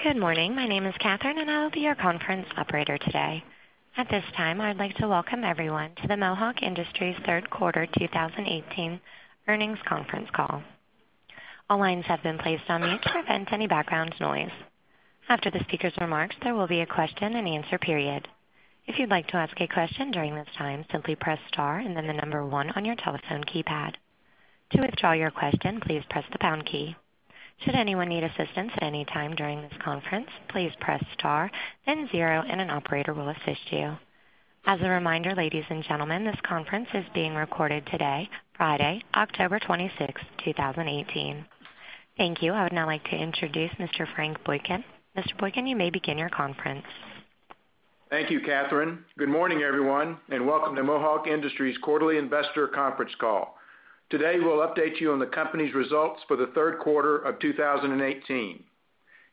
Good morning. My name is Katherine, and I will be your conference operator today. At this time, I'd like to welcome everyone to the Mohawk Industries Third Quarter 2018 Earnings Conference Call. All lines have been placed on mute to prevent any background noise. After the speakers' remarks, there will be a question and answer period. If you'd like to ask a question during this time, simply press star and then the number one on your telephone keypad. To withdraw your question, please press the pound key. Should anyone need assistance at any time during this conference, please press star, then zero, and an operator will assist you. As a reminder, ladies and gentlemen, this conference is being recorded today, Friday, October 26, 2018. Thank you. I would now like to introduce Mr. Frank Boykin. Mr. Boykin, you may begin your conference. Thank you, Katherine. Good morning, everyone, and welcome to Mohawk Industries quarterly investor conference call. Today, we'll update you on the company's results for the third quarter of 2018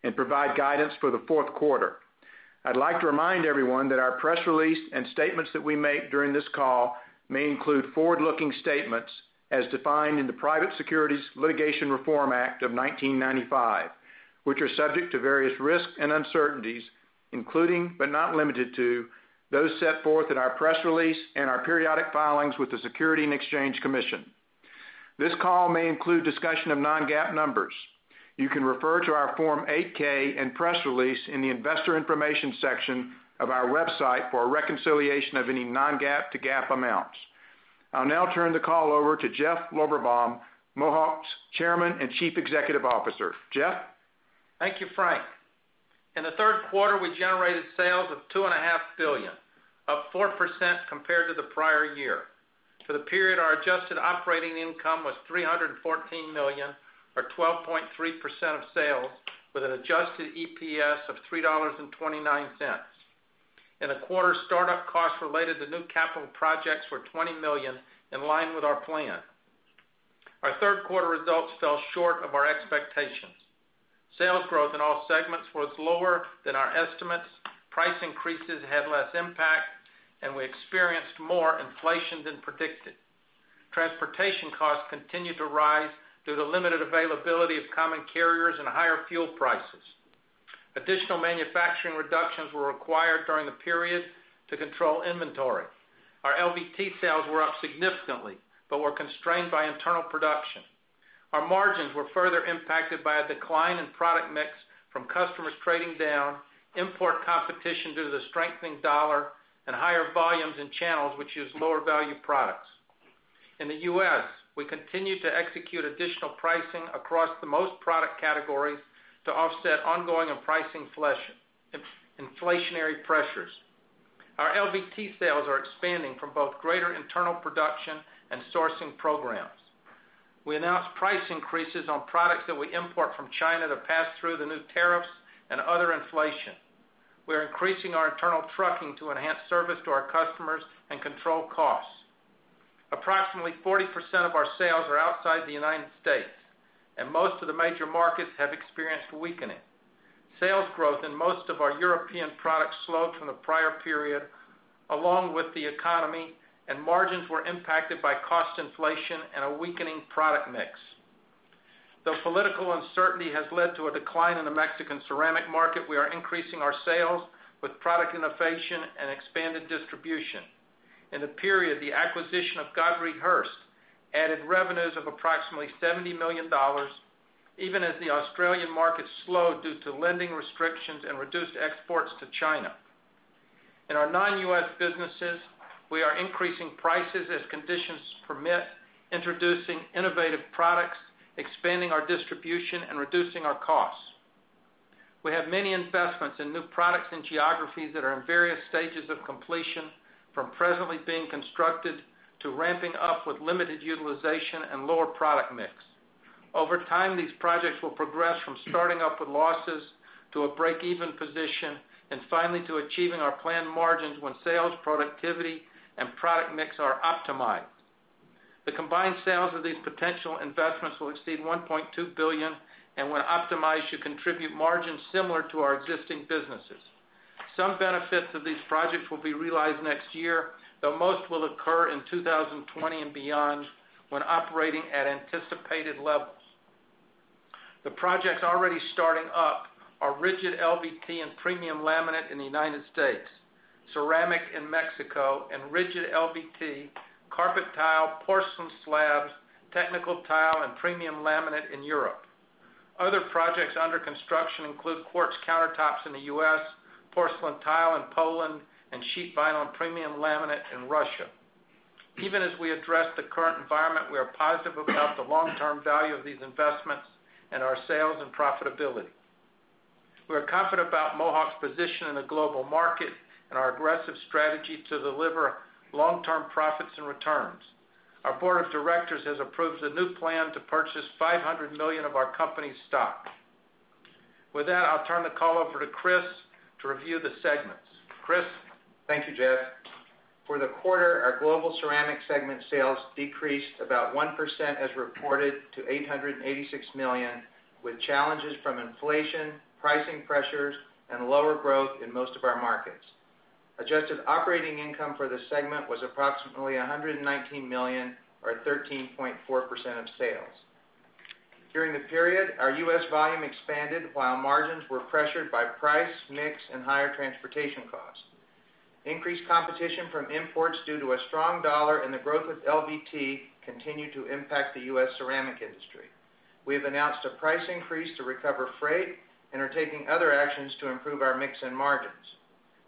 and provide guidance for the fourth quarter. I'd like to remind everyone that our press release and statements that we make during this call may include forward-looking statements as defined in the Private Securities Litigation Reform Act of 1995, which are subject to various risks and uncertainties, including, but not limited to, those set forth in our press release and our periodic filings with the Securities and Exchange Commission. This call may include discussion of non-GAAP numbers. You can refer to our Form 8-K and press release in the investor information section of our website for a reconciliation of any non-GAAP to GAAP amounts. I'll now turn the call over to Jeff Lorberbaum, Mohawk's Chairman and Chief Executive Officer. Jeff? Thank you, Frank. In the third quarter, we generated sales of $2.5 billion, up 4% compared to the prior year. For the period, our adjusted operating income was $314 million or 12.3% of sales, with an adjusted EPS of $3.29. In the quarter, startup costs related to new capital projects were $20 million, in line with our plan. Our third quarter results fell short of our expectations. Sales growth in all segments was lower than our estimates. Price increases had less impact, and we experienced more inflation than predicted. Transportation costs continued to rise due to limited availability of common carriers and higher fuel prices. Additional manufacturing reductions were required during the period to control inventory. Our LVT sales were up significantly but were constrained by internal production. Our margins were further impacted by a decline in product mix from customers trading down, import competition due to the strengthening dollar, and higher volumes in channels which use lower-value products. In the U.S., we continued to execute additional pricing across the most product categories to offset ongoing and pricing inflationary pressures. Our LVT sales are expanding from both greater internal production and sourcing programs. We announced price increases on products that we import from China to pass through the new tariffs and other inflation. We are increasing our internal trucking to enhance service to our customers and control costs. Approximately 40% of our sales are outside the United States, and most of the major markets have experienced weakening. Sales growth in most of our European products slowed from the prior period, along with the economy, and margins were impacted by cost inflation and a weakening product mix. Though political uncertainty has led to a decline in the Mexican ceramic market, we are increasing our sales with product innovation and expanded distribution. In the period, the acquisition of Godfrey Hirst added revenues of approximately $70 million, even as the Australian market slowed due to lending restrictions and reduced exports to China. In our non-U.S. businesses, we are increasing prices as conditions permit, introducing innovative products, expanding our distribution, and reducing our costs. We have many investments in new products and geographies that are in various stages of completion, from presently being constructed to ramping up with limited utilization and lower product mix. Over time, these projects will progress from starting up with losses to a break-even position, and finally to achieving our planned margins when sales, productivity, and product mix are optimized. The combined sales of these potential investments will exceed $1.2 billion and when optimized, should contribute margins similar to our existing businesses. Some benefits of these projects will be realized next year, though most will occur in 2020 and beyond when operating at anticipated levels. The projects already starting up are rigid LVT and premium laminate in the U.S., ceramic in Mexico, and rigid LVT, carpet tile, porcelain slabs, technical tile, and premium laminate in Europe. Other projects under construction include quartz countertops in the U.S., porcelain tile in Poland, and sheet vinyl and premium laminate in Russia. Even as we address the current environment, we are positive about the long-term value of these investments in our sales and profitability. We are confident about Mohawk's position in the global market and our aggressive strategy to deliver long-term profits and returns. Our board of directors has approved a new plan to purchase $500 million of our company's stock. With that, I'll turn the call over to Chris to review the segments. Chris? Thank you, Jeff. For the quarter, our Global Ceramic segment sales decreased about 1% as reported to $886 million with challenges from inflation Pricing pressures and lower growth in most of our markets. Adjusted operating income for this segment was approximately $119 million or 13.4% of sales. During the period, our U.S. volume expanded while margins were pressured by price, mix, and higher transportation costs. Increased competition from imports due to a strong dollar and the growth of LVT continued to impact the U.S. ceramic industry. We have announced a price increase to recover freight and are taking other actions to improve our mix and margins.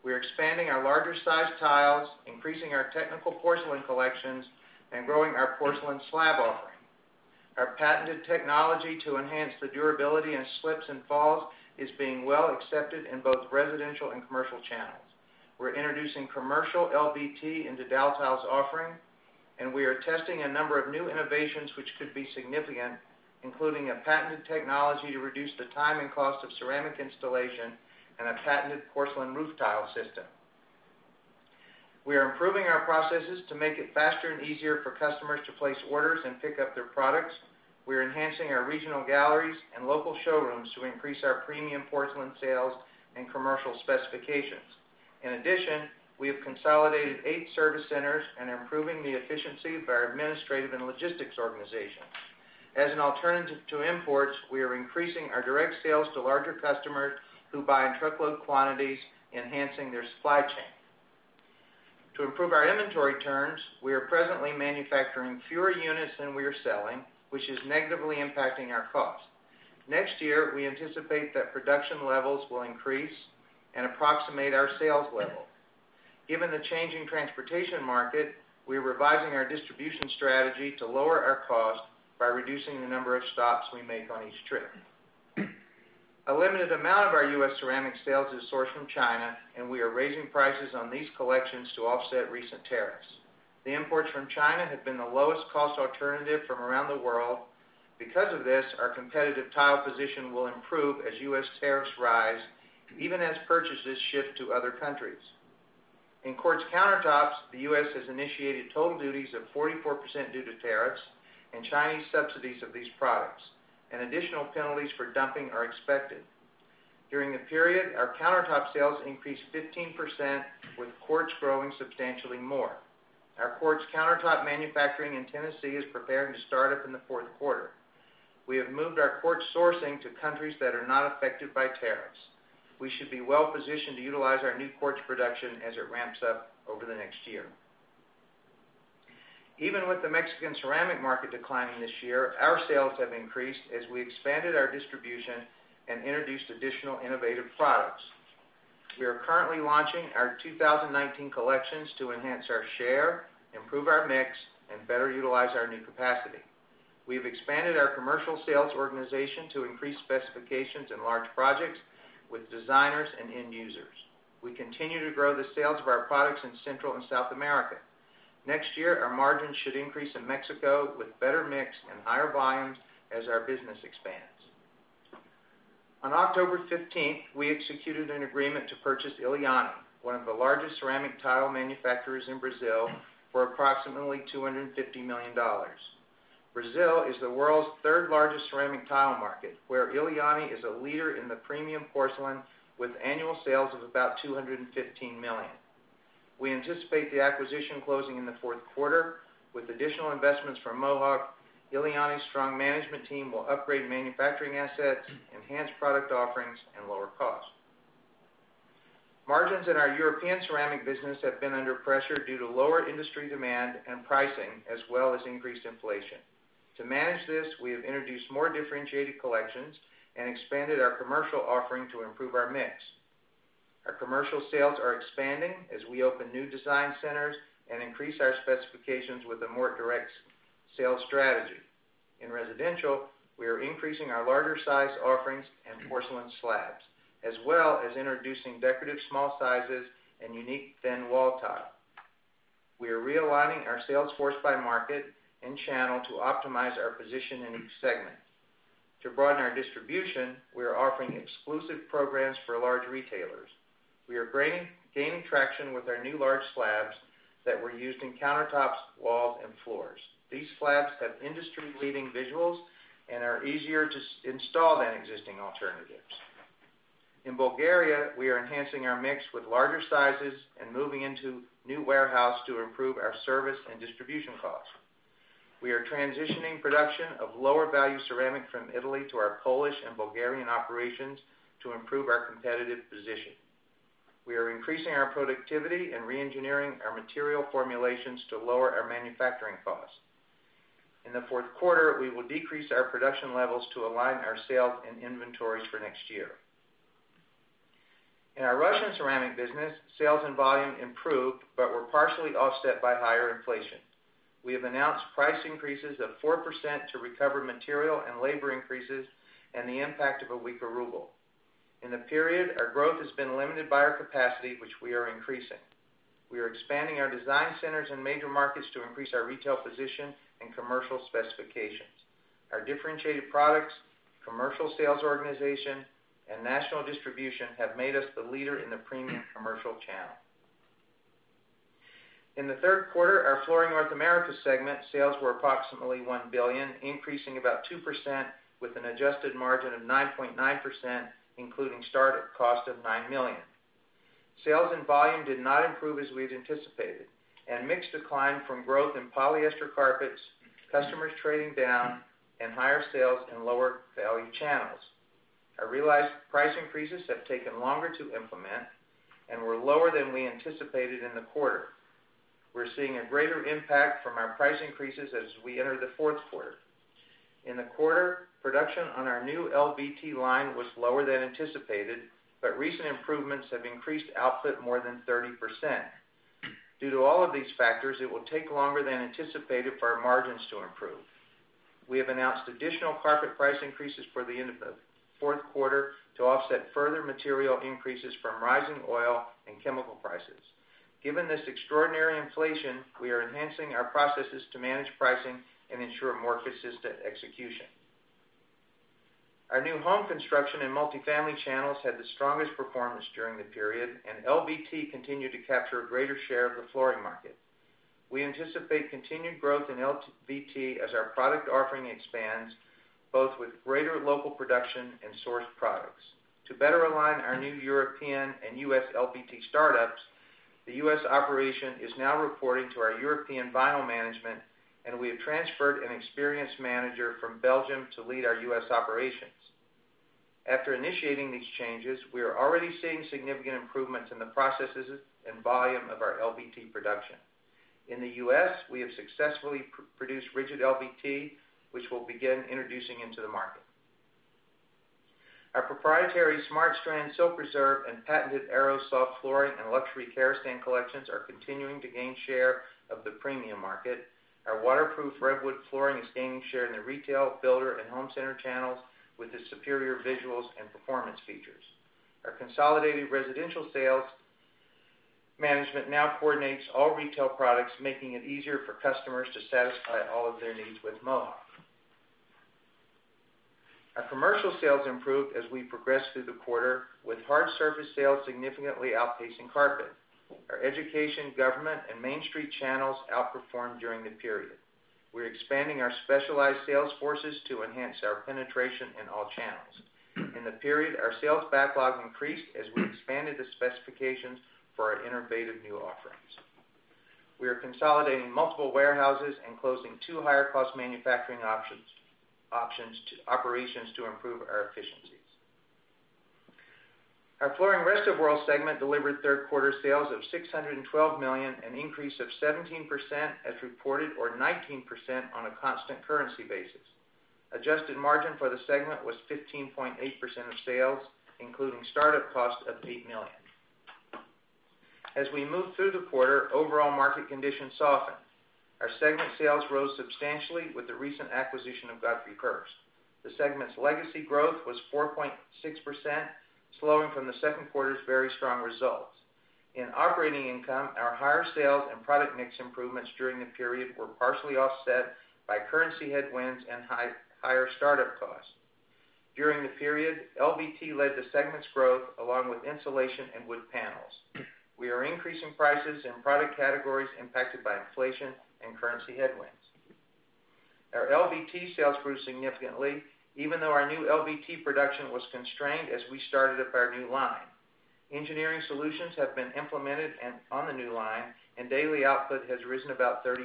We are expanding our larger size tiles, increasing our technical porcelain collections, and growing our porcelain slab offering. Our patented technology to enhance the durability in slips and falls is being well accepted in both residential and commercial channels. We're introducing commercial LVT into Daltile's offering. We are testing a number of new innovations which could be significant, including a patented technology to reduce the time and cost of ceramic installation and a patented porcelain roof tile system. We are improving our processes to make it faster and easier for customers to place orders and pick up their products. We're enhancing our regional galleries and local showrooms to increase our premium porcelain sales and commercial specifications. In addition, we have consolidated eight service centers and are improving the efficiency of our administrative and logistics organization. As an alternative to imports, we are increasing our direct sales to larger customers who buy in truckload quantities, enhancing their supply chain. To improve our inventory turns, we are presently manufacturing fewer units than we are selling, which is negatively impacting our cost. Next year, we anticipate that production levels will increase and approximate our sales level. Given the changing transportation market, we're revising our distribution strategy to lower our cost by reducing the number of stops we make on each trip. A limited amount of our U.S. ceramic sales is sourced from China. We are raising prices on these collections to offset recent tariffs. The imports from China have been the lowest cost alternative from around the world. Because of this, our competitive tile position will improve as U.S. tariffs rise, even as purchases shift to other countries. In quartz countertops, the U.S. has initiated total duties of 44% due to tariffs and Chinese subsidies of these products. Additional penalties for dumping are expected. During the period, our countertop sales increased 15% with quartz growing substantially more. Our quartz countertop manufacturing in Tennessee is preparing to start up in the fourth quarter. We have moved our quartz sourcing to countries that are not affected by tariffs. We should be well-positioned to utilize our new quartz production as it ramps up over the next year. Even with the Mexican ceramic market declining this year, our sales have increased as we expanded our distribution and introduced additional innovative products. We are currently launching our 2019 collections to enhance our share, improve our mix, and better utilize our new capacity. We've expanded our commercial sales organization to increase specifications in large projects with designers and end users. We continue to grow the sales of our products in Central and South America. Next year, our margins should increase in Mexico with better mix and higher volumes as our business expands. On October 15th, we executed an agreement to purchase Eliane, one of the largest ceramic tile manufacturers in Brazil, for approximately $250 million. Brazil is the world's third-largest ceramic tile market, where Eliane is a leader in the premium porcelain with annual sales of about $215 million. We anticipate the acquisition closing in the fourth quarter. With additional investments from Mohawk, Eliane's strong management team will upgrade manufacturing assets, enhance product offerings, and lower costs. Margins in our European ceramic business have been under pressure due to lower industry demand and pricing, as well as increased inflation. To manage this, we have introduced more differentiated collections and expanded our commercial offering to improve our mix. Our commercial sales are expanding as we open new design centers and increase our specifications with a more direct sales strategy. In residential, we are increasing our larger size offerings and porcelain slabs, as well as introducing decorative small sizes and unique thin wall tile. We are realigning our sales force by market and channel to optimize our position in each segment. To broaden our distribution, we are offering exclusive programs for large retailers. We are gaining traction with our new large slabs that were used in countertops, walls, and floors. These slabs have industry-leading visuals and are easier to install than existing alternatives. In Bulgaria, we are enhancing our mix with larger sizes and moving into a new warehouse to improve our service and distribution costs. We are transitioning production of lower value ceramic from Italy to our Polish and Bulgarian operations to improve our competitive position. We are increasing our productivity and reengineering our material formulations to lower our manufacturing costs. In the fourth quarter, we will decrease our production levels to align our sales and inventories for next year. In our Russian ceramic business, sales and volume improved but were partially offset by higher inflation. We have announced price increases of 4% to recover material and labor increases and the impact of a weaker ruble. In the period, our growth has been limited by our capacity, which we are increasing. We are expanding our design centers in major markets to increase our retail position and commercial specifications. Our differentiated products, commercial sales organization, and national distribution have made us the leader in the premium commercial channel. In the third quarter, our Flooring North America segment sales were approximately $1 billion, increasing about 2% with an adjusted margin of 9.9%, including startup cost of $9 million. Sales and volume did not improve as we'd anticipated, and mix declined from growth in polyester carpets, customers trading down, and higher sales in lower value channels. Our realized price increases have taken longer to implement and were lower than we anticipated in the quarter. We're seeing a greater impact from our price increases as we enter the fourth quarter. In the quarter, production on our new LVT line was lower than anticipated, but recent improvements have increased output more than 30%. Due to all of these factors, it will take longer than anticipated for our margins to improve. We have announced additional carpet price increases for the end of the fourth quarter to offset further material increases from rising oil and chemical prices. Given this extraordinary inflation, we are enhancing our processes to manage pricing and ensure more consistent execution. Our new home construction and multi-family channels had the strongest performance during the period, LVT continued to capture a greater share of the flooring market. We anticipate continued growth in LVT as our product offering expands, both with greater local production and sourced products. To better align our new European and U.S. LVT startups, the U.S. operation is now reporting to our European vinyl management, and we have transferred an experienced manager from Belgium to lead our U.S. operations. After initiating these changes, we are already seeing significant improvements in the processes and volume of our LVT production. In the U.S., we have successfully produced rigid LVT, which we'll begin introducing into the market. Our proprietary SmartStrand Silk Reserve and patented Air.o flooring and Luxury Karastan collections are continuing to gain share of the premium market. Our waterproof RevWood flooring is gaining share in the retail, builder, and home center channels with its superior visuals and performance features. Our consolidated residential sales management now coordinates all retail products, making it easier for customers to satisfy all of their needs with Mohawk. Our commercial sales improved as we progressed through the quarter, with hard surface sales significantly outpacing carpet. Our education, government, and Main Street channels outperformed during the period. We're expanding our specialized sales forces to enhance our penetration in all channels. In the period, our sales backlog increased as we expanded the specifications for our innovative new offerings. We are consolidating multiple warehouses and closing two higher-cost manufacturing operations to improve our efficiencies. Our Flooring Rest of the World segment delivered third-quarter sales of $612 million, an increase of 17% as reported, or 19% on a constant currency basis. Adjusted margin for the segment was 15.8% of sales, including startup costs of $8 million. We moved through the quarter, overall market conditions softened. Our segment sales rose substantially with the recent acquisition of Godfrey Hirst. The segment's legacy growth was 4.6%, slowing from the second quarter's very strong results. In operating income, our higher sales and product mix improvements during the period were partially offset by currency headwinds and higher startup costs. During the period, LVT led the segment's growth, along with insulation and wood panels. We are increasing prices in product categories impacted by inflation and currency headwinds. Our LVT sales grew significantly, even though our new LVT production was constrained as we started up our new line. Engineering solutions have been implemented on the new line, and daily output has risen about 30%.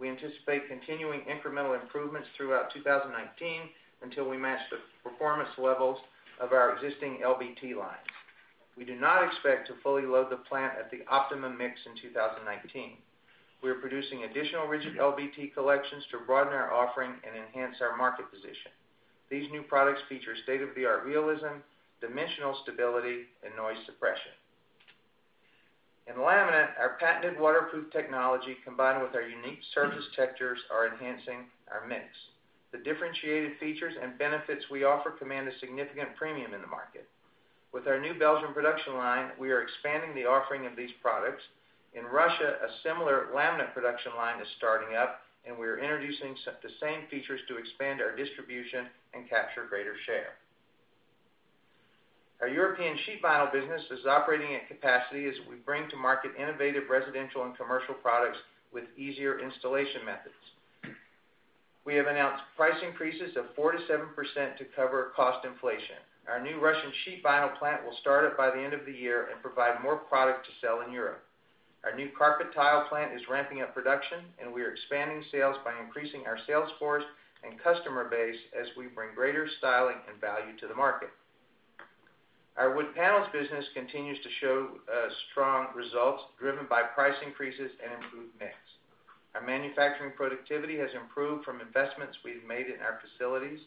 We anticipate continuing incremental improvements throughout 2019 until we match the performance levels of our existing LVT lines. We do not expect to fully load the plant at the optimum mix in 2019. We are producing additional rigid LVT collections to broaden our offering and enhance our market position. These new products feature state-of-the-art realism, dimensional stability, and noise suppression. In laminate, our patented waterproof technology, combined with our unique surface textures, are enhancing our mix. The differentiated features and benefits we offer command a significant premium in the market. With our new Belgium production line, we are expanding the offering of these products. In Russia, a similar laminate production line is starting up, and we are introducing the same features to expand our distribution and capture greater share. Our European sheet vinyl business is operating at capacity as we bring to market innovative residential and commercial products with easier installation methods. We have announced price increases of 4% to 7% to cover cost inflation. Our new Russian sheet vinyl plant will start up by the end of the year and provide more product to sell in Europe. Our new carpet tile plant is ramping up production, and we are expanding sales by increasing our sales force and customer base as we bring greater styling and value to the market. Our wood panels business continues to show strong results, driven by price increases and improved mix. Our manufacturing productivity has improved from investments we've made in our facilities.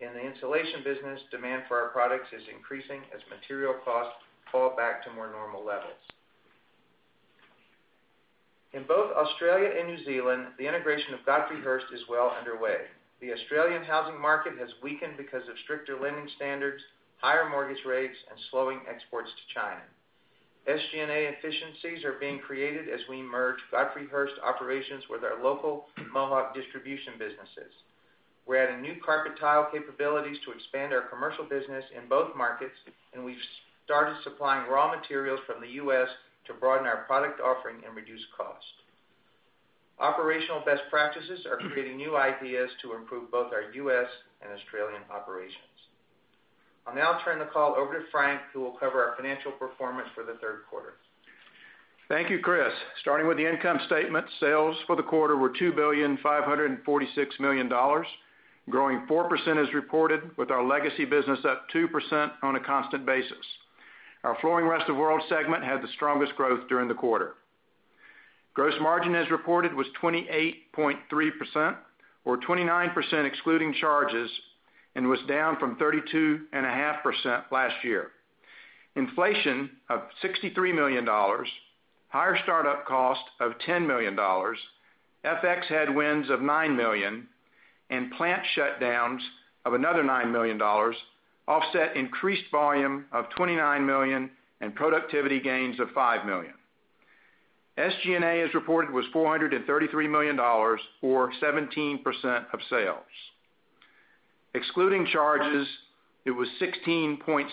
In the insulation business, demand for our products is increasing as material costs fall back to more normal levels. In both Australia and New Zealand, the integration of Godfrey Hirst is well underway. The Australian housing market has weakened because of stricter lending standards, higher mortgage rates, and slowing exports to China. SG&A efficiencies are being created as we merge Godfrey Hirst operations with our local Mohawk distribution businesses. We're adding new carpet tile capabilities to expand our commercial business in both markets, and we've started supplying raw materials from the U.S. to broaden our product offering and reduce cost. Operational best practices are creating new ideas to improve both our U.S. and Australian operations. I'll now turn the call over to Frank, who will cover our financial performance for the third quarter. Thank you, Chris. Starting with the income statement, sales for the quarter were $2,546,000,000, growing 4% as reported, with our legacy business up 2% on a constant basis. Our Flooring Rest of World segment had the strongest growth during the quarter. Gross margin as reported was 28.3%, or 29% excluding charges, and was down from 32.5% last year. Inflation of $63 million, higher startup cost of $10 million, FX headwinds of $9 million, and plant shutdowns of another $9 million, offset increased volume of $29 million and productivity gains of $5 million. SG&A as reported was $433 million, or 17% of sales. Excluding charges, it was 16.6%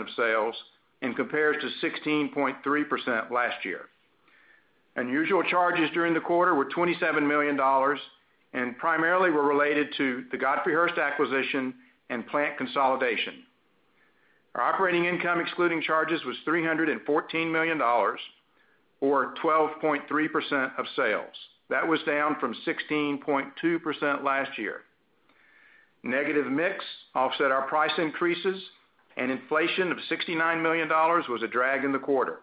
of sales and compares to 16.3% last year. Unusual charges during the quarter were $27 million and primarily were related to the Godfrey Hirst acquisition and plant consolidation. Our operating income excluding charges was $314 million, or 12.3% of sales. That was down from 16.2% last year. Negative mix offset our price increases, and inflation of $69 million was a drag in the quarter.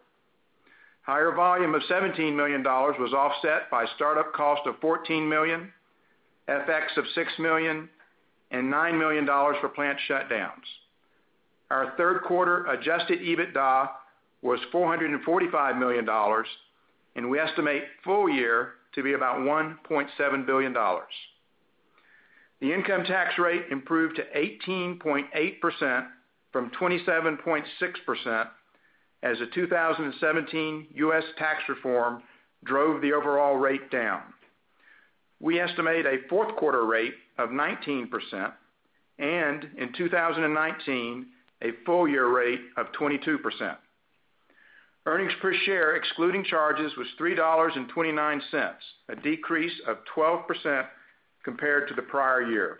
Higher volume of $17 million was offset by startup cost of $14 million, FX of $6 million and $9 million for plant shutdowns. Our third quarter adjusted EBITDA was $445 million, and we estimate full year to be about $1.7 billion. The income tax rate improved to 18.8% from 27.6% as the 2017 U.S. tax reform drove the overall rate down. We estimate a fourth quarter rate of 19%, and in 2019, a full year rate of 22%. Earnings per share excluding charges was $3.29, a decrease of 12% compared to the prior year.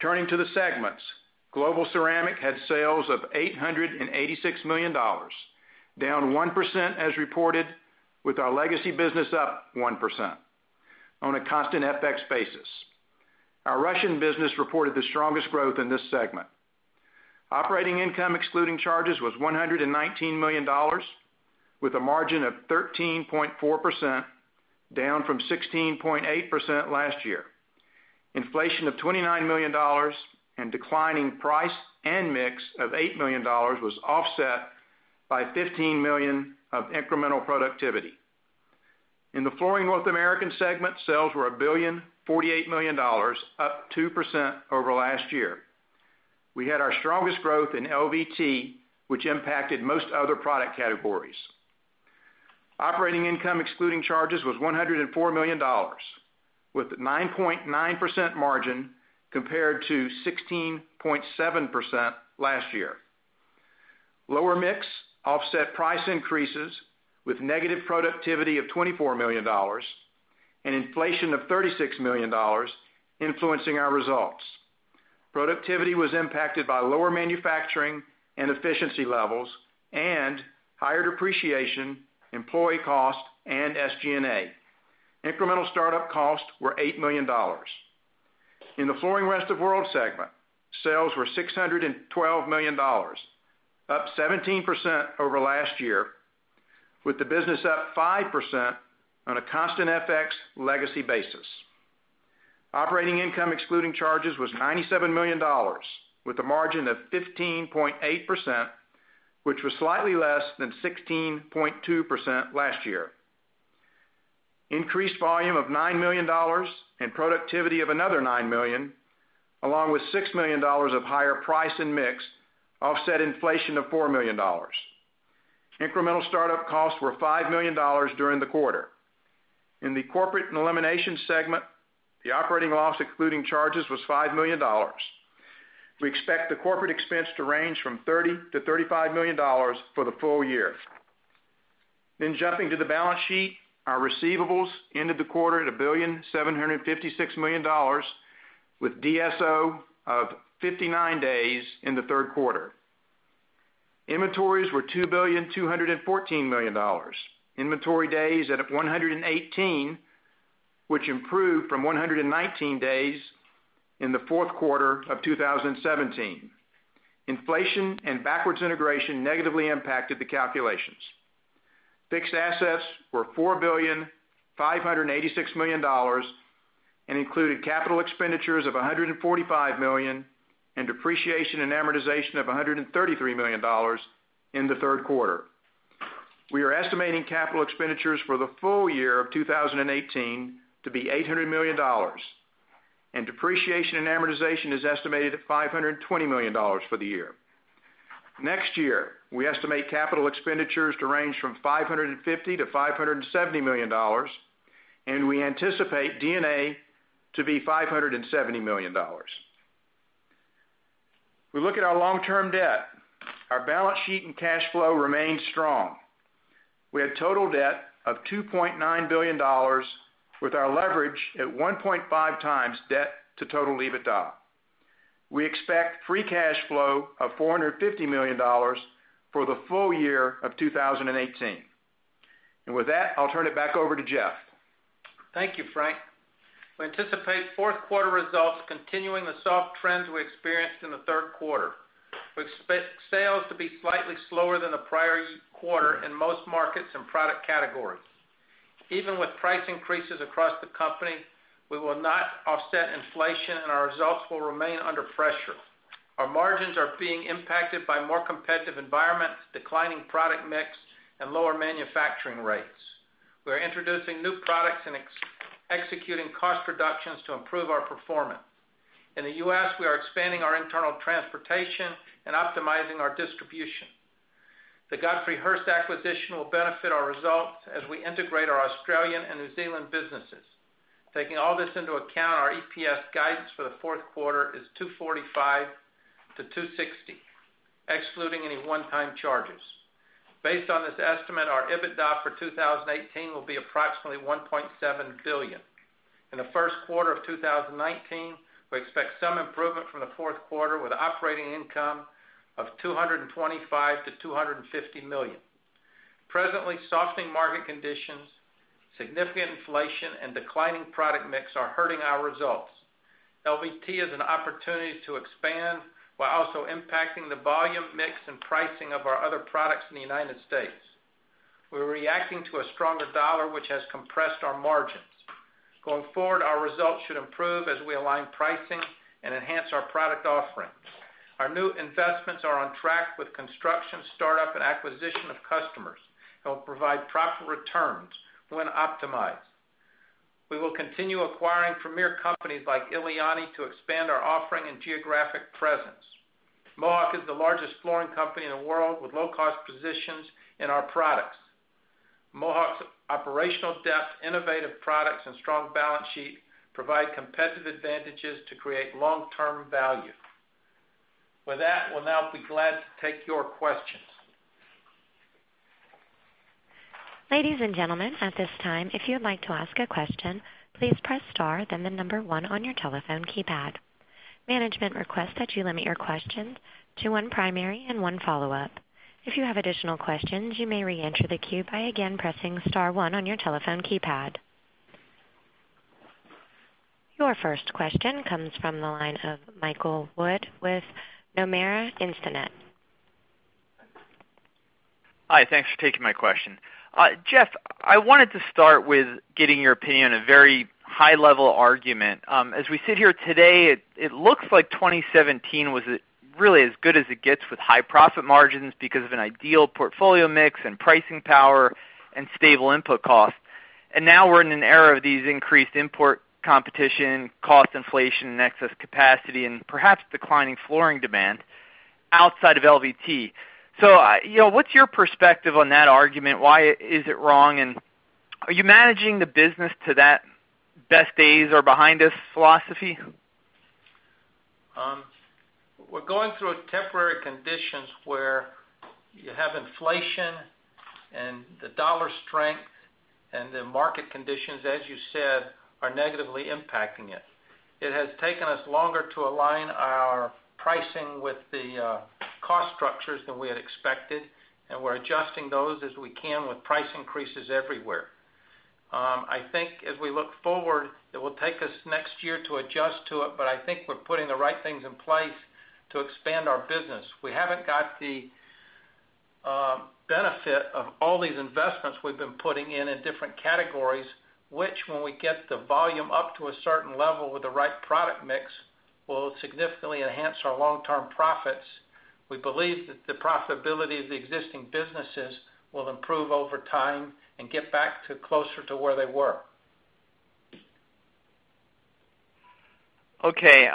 Turning to the segments, Global Ceramic had sales of $886 million, down 1% as reported, with our legacy business up 1% on a constant FX basis. Our Russian business reported the strongest growth in this segment. Operating income excluding charges was $119 million, with a margin of 13.4%, down from 16.8% last year. Inflation of $29 million and declining price and mix of $8 million was offset by $15 million of incremental productivity. In the Flooring North America segment, sales were $1,048 million, up 2% over last year. We had our strongest growth in LVT, which impacted most other product categories. Operating income excluding charges was $104 million, with a 9.9% margin, compared to 16.7% last year. Lower mix offset price increases, with negative productivity of $24 million and inflation of $36 million influencing our results. Productivity was impacted by lower manufacturing and efficiency levels and higher depreciation, employee cost and SG&A. Incremental startup costs were $8 million. In the Flooring Rest of the World segment, sales were $612 million, up 17% over last year, with the business up 5% on a constant FX legacy basis. Operating income excluding charges was $97 million, with a margin of 15.8%, which was slightly less than 16.2% last year. Increased volume of $9 million and productivity of another $9 million, along with $6 million of higher price and mix, offset inflation of $4 million. Incremental startup costs were $5 million during the quarter. In the Corporate and Elimination segment, the operating loss excluding charges was $5 million. We expect the corporate expense to range from $30 million-$35 million for the full year. Jumping to the balance sheet, our receivables ended the quarter at $1,756 million, with DSO of 59 days in the third quarter. Inventories were $2,214,000,000. Inventory days end up 118, which improved from 119 days in the fourth quarter of 2017. Inflation and backward integration negatively impacted the calculations. Fixed assets were $4,586,000,000, and included capital expenditures of $145 million and depreciation and amortization of $133 million in the third quarter. We are estimating capital expenditures for the full year of 2018 to be $800 million, and depreciation and amortization is estimated at $520 million for the year. Next year, we estimate capital expenditures to range from $550 million-$570 million, and we anticipate D&A to be $570 million. If we look at our long-term debt, our balance sheet and cash flow remain strong. We have total debt of $2.9 billion, with our leverage at 1.5 times debt to total EBITDA. We expect free cash flow of $450 million for the full year of 2018. With that, I'll turn it back over to Jeff. Thank you, Frank. We anticipate fourth quarter results continuing the soft trends we experienced in the third quarter. We expect sales to be slightly slower than the prior quarter in most markets and product categories. Even with price increases across the company, we will not offset inflation, and our results will remain under pressure. Our margins are being impacted by a more competitive environment, declining product mix, and lower manufacturing rates. We are introducing new products and executing cost reductions to improve our performance. In the U.S., we are expanding our internal transportation and optimizing our distribution. The Godfrey Hirst acquisition will benefit our results as we integrate our Australian and New Zealand businesses. Taking all this into account, our EPS guidance for the fourth quarter is $2.45-$2.60, excluding any one-time charges. Based on this estimate, our EBITDA for 2018 will be approximately $1.7 billion. In the first quarter of 2019, we expect some improvement from the fourth quarter, with operating income of $225 million-$250 million. Presently, softening market conditions, significant inflation, and declining product mix are hurting our results. LVT is an opportunity to expand, while also impacting the volume mix and pricing of our other products in the U.S. We're reacting to a stronger dollar, which has compressed our margins. Going forward, our results should improve as we align pricing and enhance our product offerings. Our new investments are on track with construction startup and acquisition of customers that will provide proper returns when optimized. We will continue acquiring premier companies like Eliane to expand our offering and geographic presence. Mohawk is the largest flooring company in the world with low-cost positions in our products. Mohawk's operational depth, innovative products, and strong balance sheet provide competitive advantages to create long-term value. With that, we'll now be glad to take your questions. Ladies and gentlemen, at this time, if you would like to ask a question, please press star then the number 1 on your telephone keypad. Management requests that you limit your questions to one primary and one follow-up. If you have additional questions, you may reenter the queue by again pressing star one on your telephone keypad. Your first question comes from the line of Michael Wood with Nomura Instinet. Hi. Thanks for taking my question. Jeff, I wanted to start with getting your opinion on a very high-level argument. As we sit here today, it looks like 2017 was really as good as it gets with high profit margins because of an ideal portfolio mix and pricing power and stable input costs. Now we're in an era of these increased import competition, cost inflation, and excess capacity, and perhaps declining flooring demand outside of LVT. What's your perspective on that argument? Why is it wrong, and are you managing the business to that best days are behind us philosophy? We're going through temporary conditions where you have inflation and the dollar strength, the market conditions, as you said, are negatively impacting it. It has taken us longer to align our pricing with the cost structures than we had expected, we're adjusting those as we can with price increases everywhere. I think as we look forward, it will take us next year to adjust to it, I think we're putting the right things in place to expand our business. We haven't got the benefit of all these investments we've been putting in different categories, which when we get the volume up to a certain level with the right product mix, will significantly enhance our long-term profits. We believe that the profitability of the existing businesses will improve over time and get back to closer to where they were. Okay.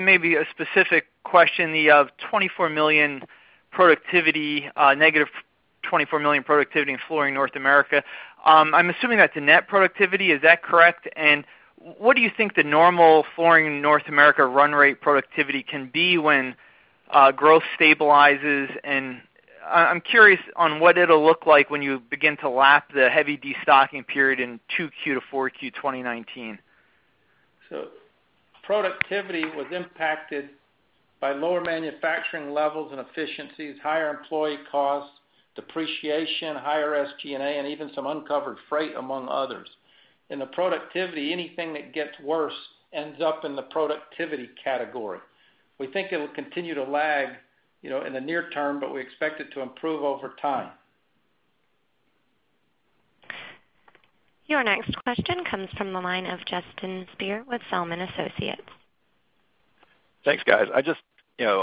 Maybe a specific question, the negative $24 million productivity in Flooring North America. I'm assuming that's in net productivity. Is that correct? What do you think the normal Flooring North America run rate productivity can be when growth stabilizes? I'm curious on what it'll look like when you begin to lap the heavy destocking period in 2Q to 4Q 2019. Productivity was impacted by lower manufacturing levels and efficiencies, higher employee costs, depreciation, higher SG&A, even some uncovered freight, among others. In the productivity, anything that gets worse ends up in the productivity category. We think it will continue to lag in the near term, we expect it to improve over time. Your next question comes from the line of Justin Speer with Zelman & Associates. Thanks, guys. I'm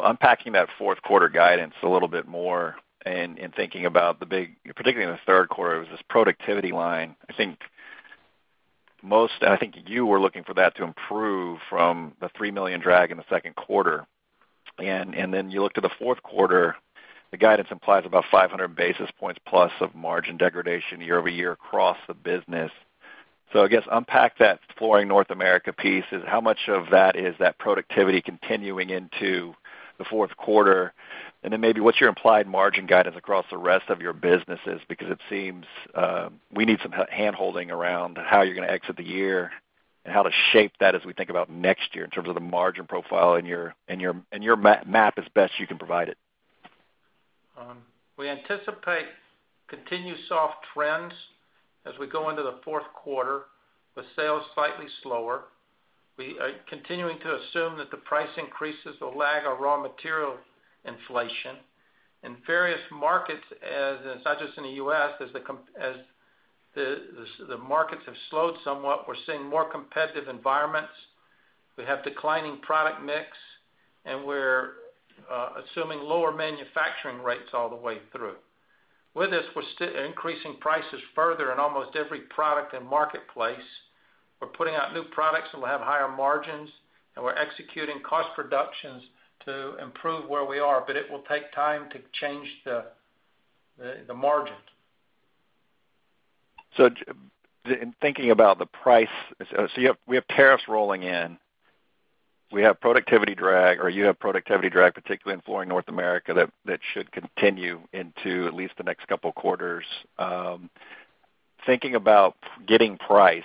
unpacking that fourth quarter guidance a little bit more and thinking about the big, particularly in the third quarter, it was this productivity line. I think Most, I think you were looking for that to improve from the $3 million drag in the second quarter. Then you look to the fourth quarter, the guidance implies about 500 basis points plus of margin degradation year-over-year across the business. I guess unpack that Flooring North America piece is, how much of that is that productivity continuing into the fourth quarter? Then maybe what's your implied margin guidance across the rest of your businesses? It seems we need some hand-holding around how you're going to exit the year and how to shape that as we think about next year in terms of the margin profile and your map as best you can provide it. We anticipate continued soft trends as we go into the fourth quarter, with sales slightly slower. We are continuing to assume that the price increases will lag our raw material inflation. In various markets, it's not just in the U.S., as the markets have slowed somewhat, we're seeing more competitive environments. We have declining product mix, and we're assuming lower manufacturing rates all the way through. With this, we're still increasing prices further in almost every product and marketplace. We're putting out new products that will have higher margins, and we're executing cost reductions to improve where we are. It will take time to change the margins. In thinking about the price, so we have tariffs rolling in. You have productivity drag, particularly in Flooring North America, that should continue into at least the next couple of quarters. Thinking about getting price,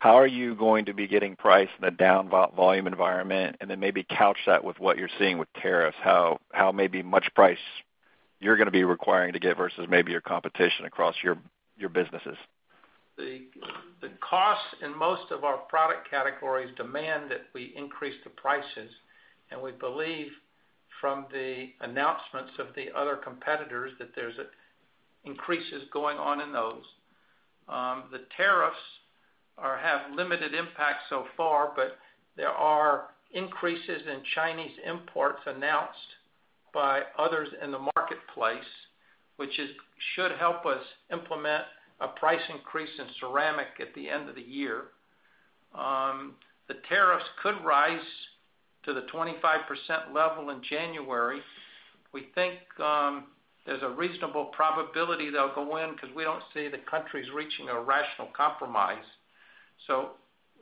how are you going to be getting price in a down volume environment? Then maybe couch that with what you're seeing with tariffs, how much price you're going to be requiring to get versus maybe your competition across your businesses. The costs in most of our product categories demand that we increase the prices, and we believe from the announcements of the other competitors that there are increases going on in those. The tariffs have limited impact so far, but there are increases in Chinese imports announced by others in the marketplace, which should help us implement a price increase in ceramic at the end of the year. The tariffs could rise to the 25% level in January. We think there's a reasonable probability they'll go in because we don't see the countries reaching a rational compromise.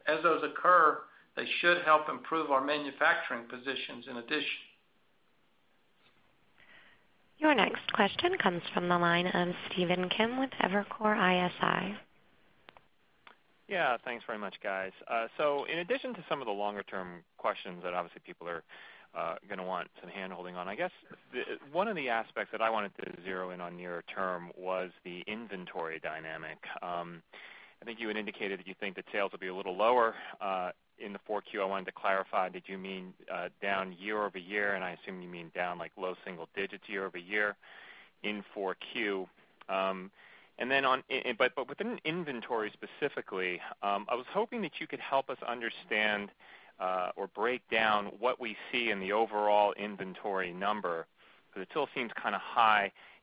As those occur, they should help improve our manufacturing positions in addition. Your next question comes from the line of Stephen Kim with Evercore ISI. Yeah. Thanks very much, guys. In addition to some of the longer-term questions that obviously people are going to want some hand-holding on, I guess one of the aspects that I wanted to zero in on near term was the inventory dynamic. I think you had indicated that you think the sales will be a little lower in the 4Q. I wanted to clarify, did you mean down year-over-year? And I assume you mean down like low single digits year-over-year in 4Q. Within inventory specifically, I was hoping that you could help us understand or break down what we see in the overall inventory number, because it still seems kind of high. In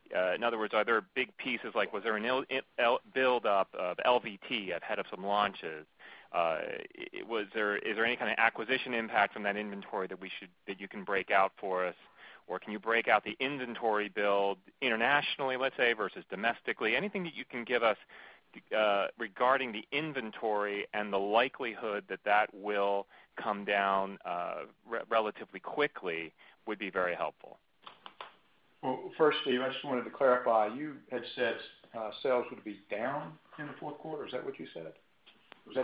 other words, are there big pieces, like was there a build-up of LVT ahead of some launches? Is there any kind of acquisition impact from that inventory that you can break out for us? Can you break out the inventory build internationally, let's say, versus domestically? Anything that you can give us regarding the inventory and the likelihood that that will come down relatively quickly would be very helpful. Well, first, Steve, I just wanted to clarify, you had said sales would be down in the fourth quarter. Is that what you said?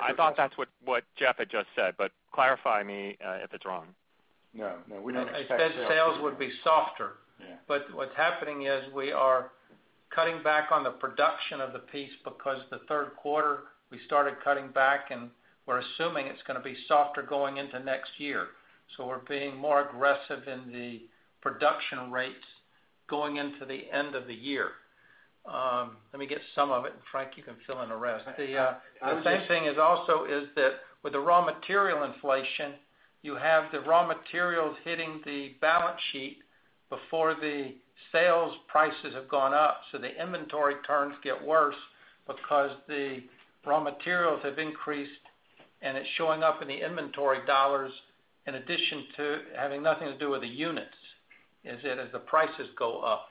I thought that's what Jeff had just said, clarify me if it's wrong. No, we don't expect sales to be down. I said sales would be softer. Yeah. What's happening is we are cutting back on the production of the piece because the third quarter we started cutting back, and we're assuming it's going to be softer going into next year. We're being more aggressive in the production rates going into the end of the year. Let me get some of it, and Frank, you can fill in the rest. The same thing is also is that with the raw material inflation, you have the raw materials hitting the balance sheet before the sales prices have gone up. The inventory turns get worse because the raw materials have increased, and it's showing up in the inventory dollars in addition to having nothing to do with the units as the prices go up.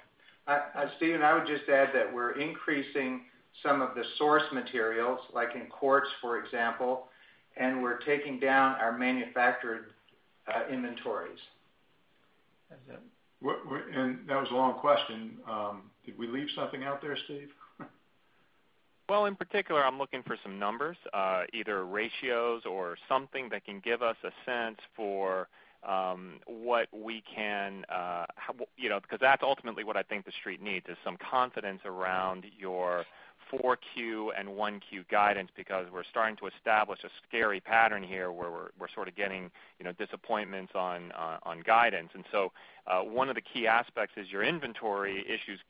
Stephen, I would just add that we're increasing some of the source materials, like in quartz, for example, and we're taking down our manufactured inventories. That was a long question. Did we leave something out there, Stephen? Well, in particular, I'm looking for some numbers, either ratios or something that can give us a sense for what we can-- because that's ultimately what I think the Street needs is some confidence around your 4Q and 1Q guidance, because we're starting to establish a scary pattern here where we're sort of getting disappointments on guidance. One of the key aspects is your inventory issues.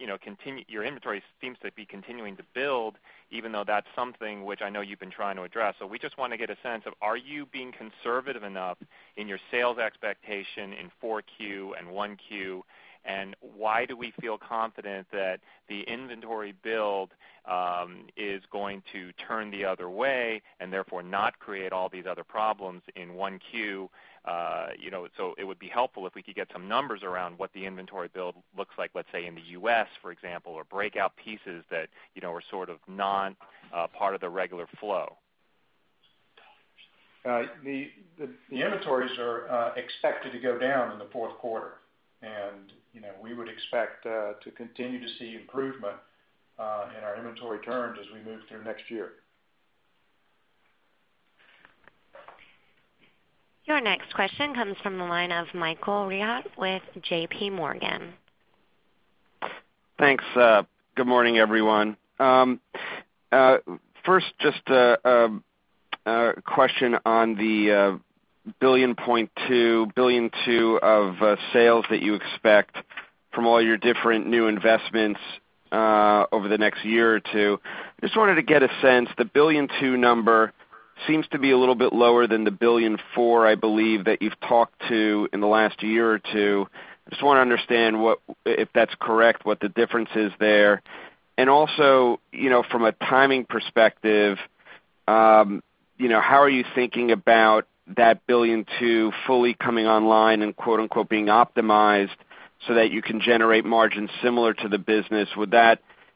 Your inventory seems to be continuing to build, even though that's something which I know you've been trying to address. We just want to get a sense of, are you being conservative enough in your sales expectation in 4Q and 1Q, and why do we feel confident that the inventory build is going to turn the other way and therefore not create all these other problems in 1Q? it would be helpful if we could get some numbers around what the inventory build looks like, let's say, in the U.S., for example, or breakout pieces that are sort of non-part of the regular flow. The inventories are expected to go down in the fourth quarter, and we would expect to continue to see improvement in our inventory turns as we move through next year. Your next question comes from the line of Michael Rehaut with JPMorgan. Thanks. Good morning, everyone. Just a question on the $1.2 billion of sales that you expect from all your different new investments over the next year or two. Just wanted to get a sense. The $1.2 billion number seems to be a little bit lower than the $1.4 billion, I believe, that you've talked to in the last year or two. I just want to understand, if that's correct, what the difference is there. From a timing perspective, how are you thinking about that $1.2 billion fully coming online and quote-unquote, "Being optimized," so that you can generate margins similar to the business?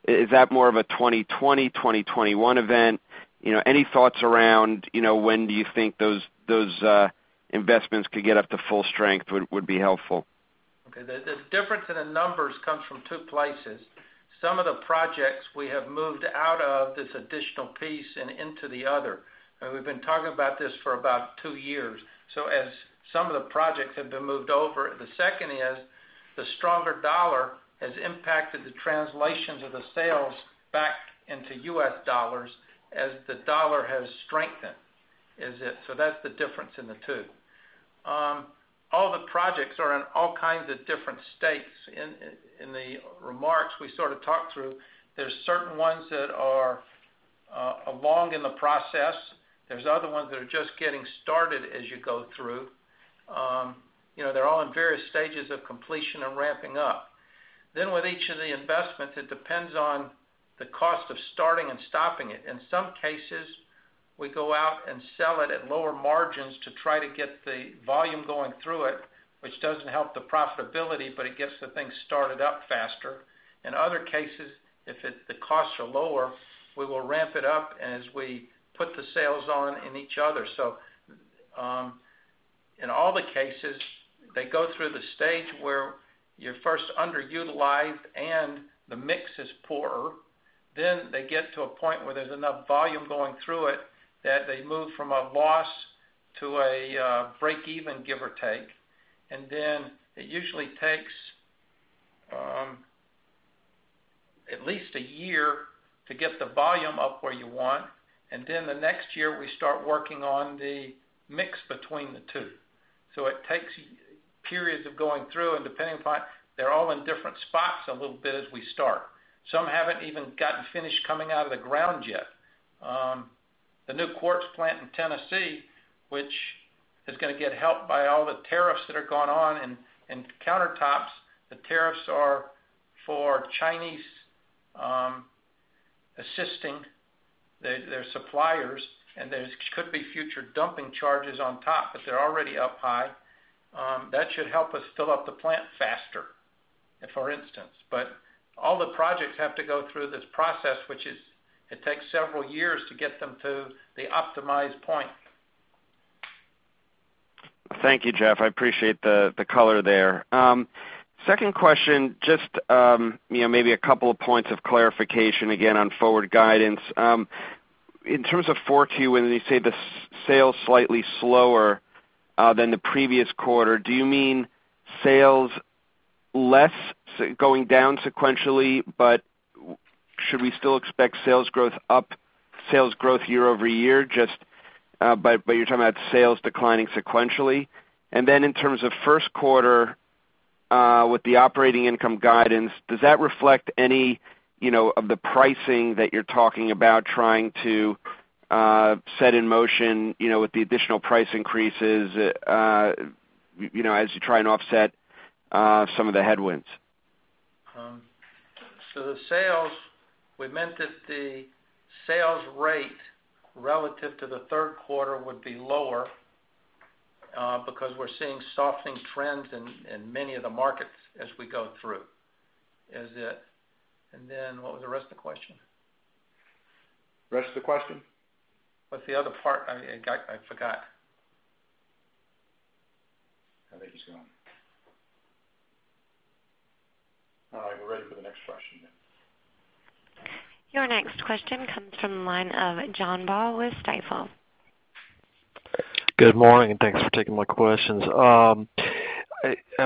Is that more of a 2020, 2021 event? Any thoughts around when do you think those investments could get up to full strength would be helpful. Okay. The difference in the numbers comes from two places. Some of the projects we have moved out of this additional piece and into the other. We've been talking about this for about two years. As some of the projects have been moved over. The second is, the stronger dollar has impacted the translations of the sales back into U.S. dollars as the dollar has strengthened. That's the difference in the two. All the projects are in all kinds of different states. In the remarks we sort of talked through, there's certain ones that are along in the process. There's other ones that are just getting started as you go through. They're all in various stages of completion and ramping up. Then with each of the investments, it depends on the cost of starting and stopping it. In some cases, we go out and sell it at lower margins to try to get the volume going through it, which doesn't help the profitability, but it gets the thing started up faster. In other cases, if the costs are lower, we will ramp it up as we put the sales on in each other. In all the cases, they go through the stage where you're first underutilized and the mix is poorer. They get to a point where there's enough volume going through it that they move from a loss to a break even, give or take. It usually takes at least a year to get the volume up where you want, and then the next year, we start working on the mix between the two. It takes periods of going through and depending upon, they're all in different spots a little bit as we start. Some haven't even gotten finished coming out of the ground yet. The new quartz plant in Tennessee, which is going to get helped by all the tariffs that are going on in countertops. The tariffs are for Chinese assisting their suppliers, and there could be future dumping charges on top, but they're already up high. That should help us fill up the plant faster, for instance. All the projects have to go through this process, which is, it takes several years to get them to the optimized point. Thank you, Jeff. I appreciate the color there. Second question, just maybe a couple of points of clarification again on forward guidance. In terms of 4Q, when you say the sales slightly slower than the previous quarter, do you mean sales less going down sequentially, but should we still expect sales growth year-over-year just by you're talking about sales declining sequentially? In terms of first quarter, with the operating income guidance, does that reflect any of the pricing that you're talking about trying to set in motion with the additional price increases as you try and offset some of the headwinds? The sales, we meant that the sales rate relative to the third quarter would be lower because we're seeing softening trends in many of the markets as we go through. Is it? And then what was the rest of the question? Rest of the question? What's the other part? I forgot. I think it's gone. All right, we're ready for the next question then. Your next question comes from the line of John Baugh with Stifel. Good morning, and thanks for taking my questions. I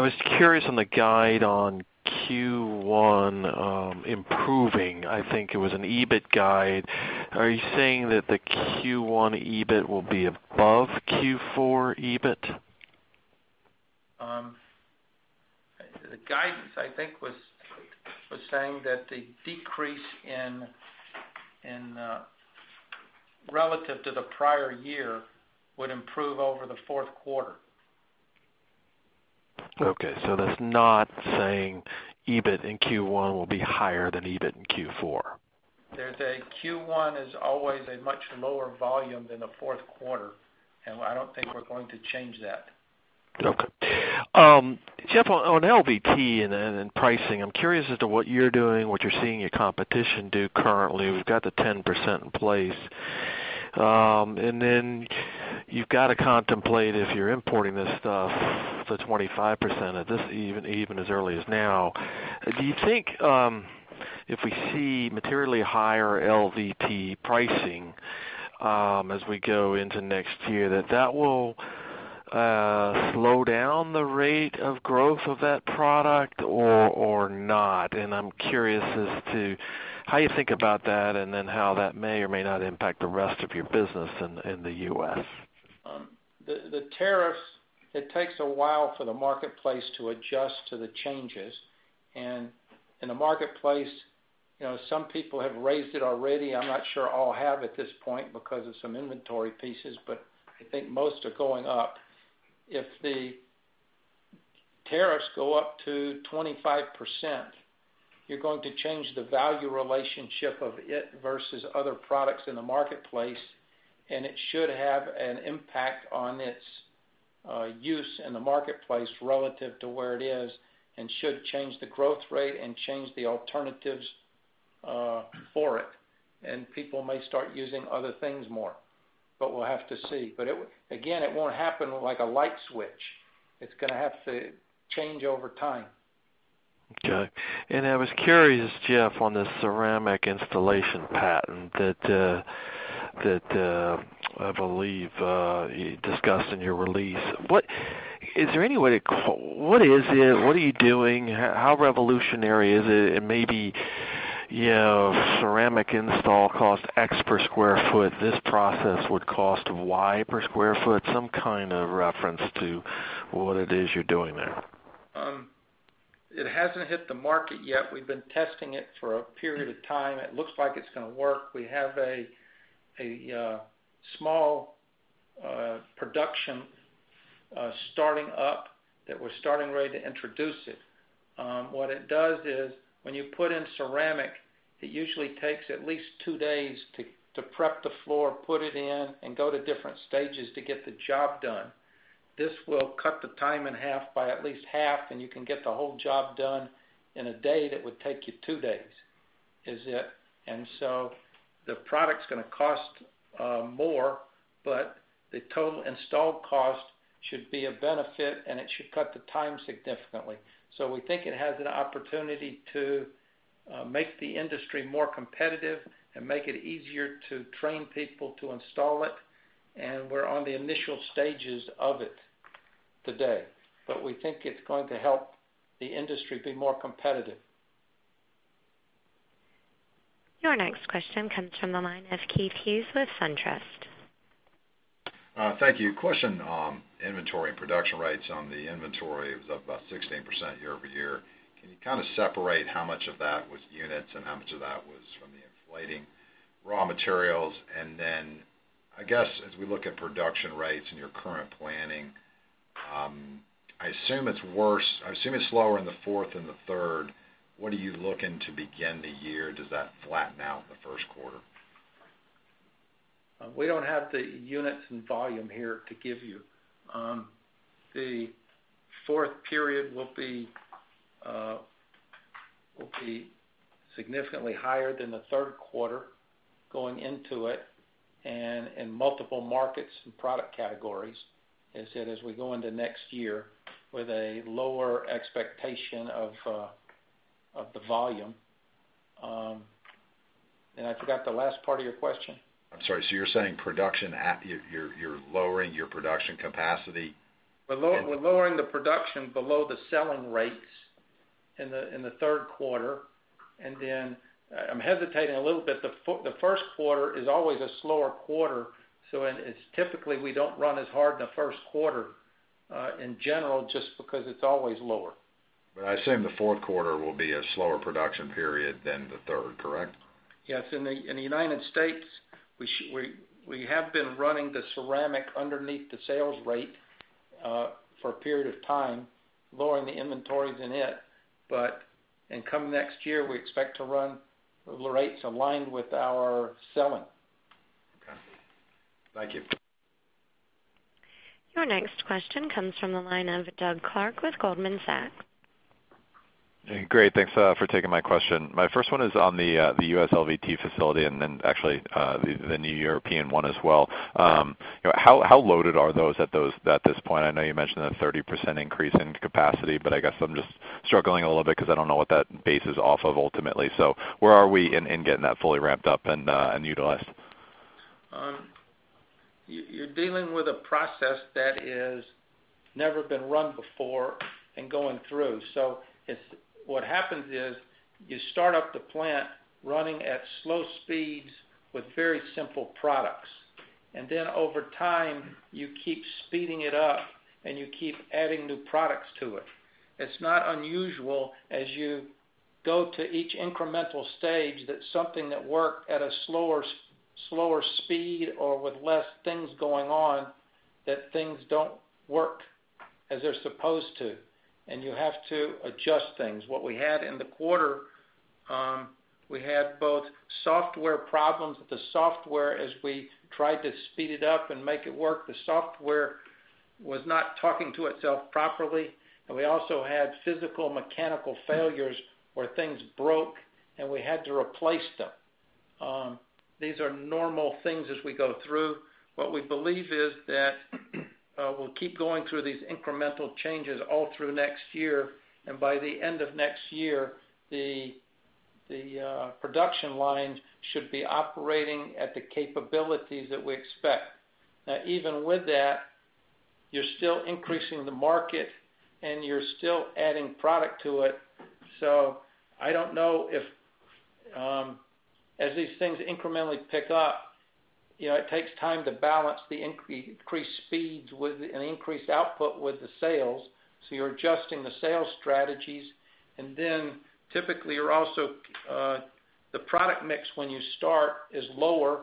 was curious on the guide on Q1 improving. I think it was an EBIT guide. Are you saying that the Q1 EBIT will be above Q4 EBIT? The guidance, I think, was saying that the decrease in relative to the prior year would improve over the fourth quarter. Okay. That's not saying EBIT in Q1 will be higher than EBIT in Q4. There's a Q1 is always a much lower volume than a fourth quarter, and I don't think we're going to change that. Okay. Jeff, on LVT and then pricing, I'm curious as to what you're doing, what you're seeing your competition do currently. We've got the 10% in place. You've got to contemplate if you're importing this stuff to 25%, even as early as now. Do you think if we see materially higher LVT pricing as we go into next year, that will slow down the rate of growth of that product or not? I'm curious as to how you think about that, and then how that may or may not impact the rest of your business in the U.S. The tariffs, it takes a while for the marketplace to adjust to the changes. In the marketplace, some people have raised it already. I'm not sure all have at this point because of some inventory pieces, but I think most are going up. If the tariffs go up to 25%, you're going to change the value relationship of it versus other products in the marketplace, and it should have an impact on its use in the marketplace relative to where it is and should change the growth rate and change the alternatives for it. People may start using other things more, but we'll have to see. Again, it won't happen like a light switch. It's going to have to change over time. Okay. I was curious, Jeff, on this ceramic installation patent that I believe you discussed in your release. Is there any way to What is it? What are you doing? How revolutionary is it? Maybe ceramic install cost X per sq ft, this process would cost Y per sq ft, some kind of reference to what it is you're doing there. It hasn't hit the market yet. We've been testing it for a period of time. It looks like it's going to work. We have a small production starting up that we're starting, ready to introduce it. What it does is, when you put in ceramic, it usually takes at least two days to prep the floor, put it in, and go to different stages to get the job done. This will cut the time in half by at least half, and you can get the whole job done in a day that would take you two days. Is it? The product's going to cost more, but the total installed cost should be a benefit, and it should cut the time significantly. We think it has an opportunity to make the industry more competitive and make it easier to train people to install it, We're on the initial stages of it today. We think it's going to help the industry be more competitive. Your next question comes from the line of Keith Hughes with SunTrust. Thank you. Question on inventory and production rates. On the inventory, it was up about 16% year-over-year. Can you kind of separate how much of that was units and how much of that was from the inflating raw materials? I guess as we look at production rates and your current planning, I assume it's slower in the fourth than the third. What are you looking to begin the year? Does that flatten out in the first quarter? We don't have the units and volume here to give you. The fourth period will be significantly higher than the third quarter going into it and in multiple markets and product categories, as we go into next year with a lower expectation of the volume. I forgot the last part of your question. I'm sorry. You're saying you're lowering your production capacity. We're lowering the production below the selling rates in the third quarter. I'm hesitating a little bit. The first quarter is always a slower quarter, so typically, we don't run as hard in the first quarter, in general just because it's always lower. I assume the fourth quarter will be a slower production period than the third, correct? Yes. In the United States, we have been running the ceramic underneath the sales rate for a period of time, lowering the inventories in it. In coming next year, we expect to run the rates aligned with our selling. Okay. Thank you. Your next question comes from the line of Doug Clark with Goldman Sachs. Great. Thanks for taking my question. My first one is on the U.S. LVT facility and then actually, the new European one as well. How loaded are those at this point? I know you mentioned a 30% increase in capacity, but I guess I'm just struggling a little bit because I don't know what that base is off of ultimately. Where are we in getting that fully ramped up and utilized? You're dealing with a process that has never been run before and going through. What happens is you start up the plant running at slow speeds with very simple products. Over time, you keep speeding it up and you keep adding new products to it. It's not unusual as you go to each incremental stage that something that worked at a slower speed or with less things going on, that things don't work as they're supposed to, and you have to adjust things. What we had in the quarter, we had both software problems with the software as we tried to speed it up and make it work. The software was not talking to itself properly. We also had physical mechanical failures where things broke and we had to replace them. These are normal things as we go through. What we believe is that we'll keep going through these incremental changes all through next year. By the end of next year, the production line should be operating at the capabilities that we expect. Even with that, you're still increasing the market and you're still adding product to it. I don't know if, as these things incrementally pick up, it takes time to balance the increased speeds with an increased output with the sales. You're adjusting the sales strategies, and then typically the product mix when you start is lower,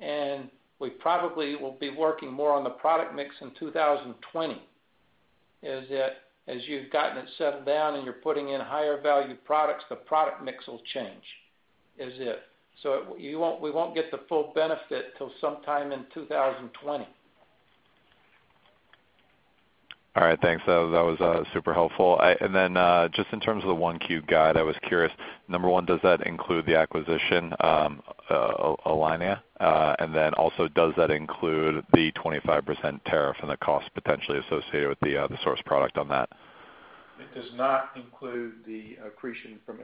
and we probably will be working more on the product mix in 2020. As you've gotten it settled down and you're putting in higher value products, the product mix will change. We won't get the full benefit till sometime in 2020. All right, thanks. That was super helpful. Just in terms of the 1Q guide, I was curious. Number one, does that include the acquisition, Eliane? Also does that include the 25% tariff and the cost potentially associated with the source product on that? It does not include the accretion from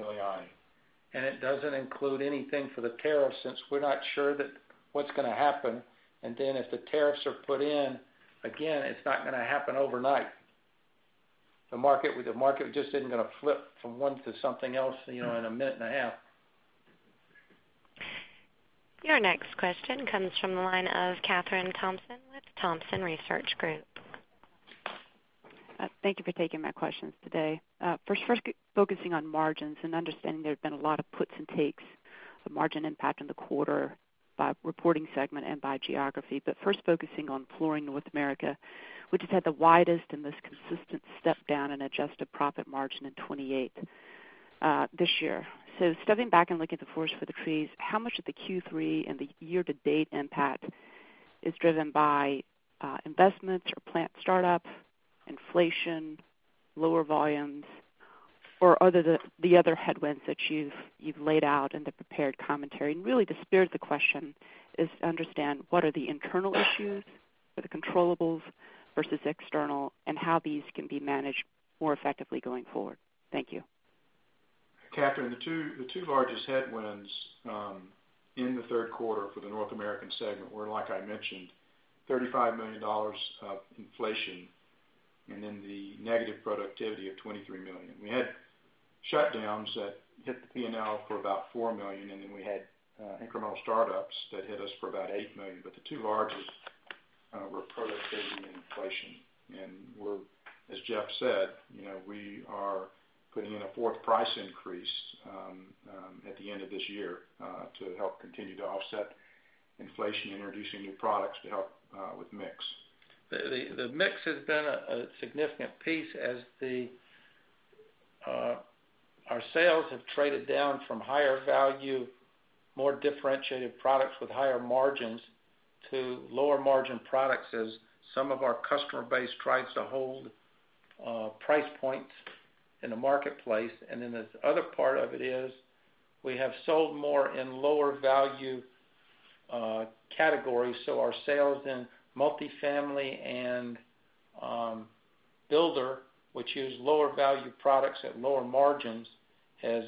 Eliane. It doesn't include anything for the tariff since we're not sure what's going to happen. If the tariffs are put in, again, it's not going to happen overnight. The market just isn't going to flip from one to something else in a minute and a half. Your next question comes from the line of Kathryn Thompson with Thompson Research Group. Thank you for taking my questions today. First, focusing on margins and understanding there have been a lot of puts and takes the margin impact in the quarter by reporting segment and by geography. First focusing on Flooring North America, which has had the widest and most consistent step down in adjusted profit margin in 28 this year. Stepping back and looking at the forest for the trees, how much of the Q3 and the year-to-date impact is driven by investments or plant startup, inflation, lower volumes, or the other headwinds that you've laid out in the prepared commentary? Really the spirit of the question is to understand what are the internal issues or the controllables versus external, and how these can be managed more effectively going forward. Thank you. Kathryn, the two largest headwinds in the third quarter for the North American Segment were, like I mentioned, $35 million of inflation and the negative productivity of $23 million. We had shutdowns that hit the P&L for about $4 million, and we had incremental startups that hit us for about $8 million. The two largest were productivity and inflation. As Jeff said, we are putting in a fourth price increase at the end of this year to help continue to offset inflation and introducing new products to help with mix. The mix has been a significant piece as our sales have traded down from higher value, more differentiated products with higher margins to lower margin products as some of our customer base tries to hold price points in the marketplace. This other part of it is we have sold more in lower value categories. Our sales in multi-family and builder, which use lower value products at lower margins, has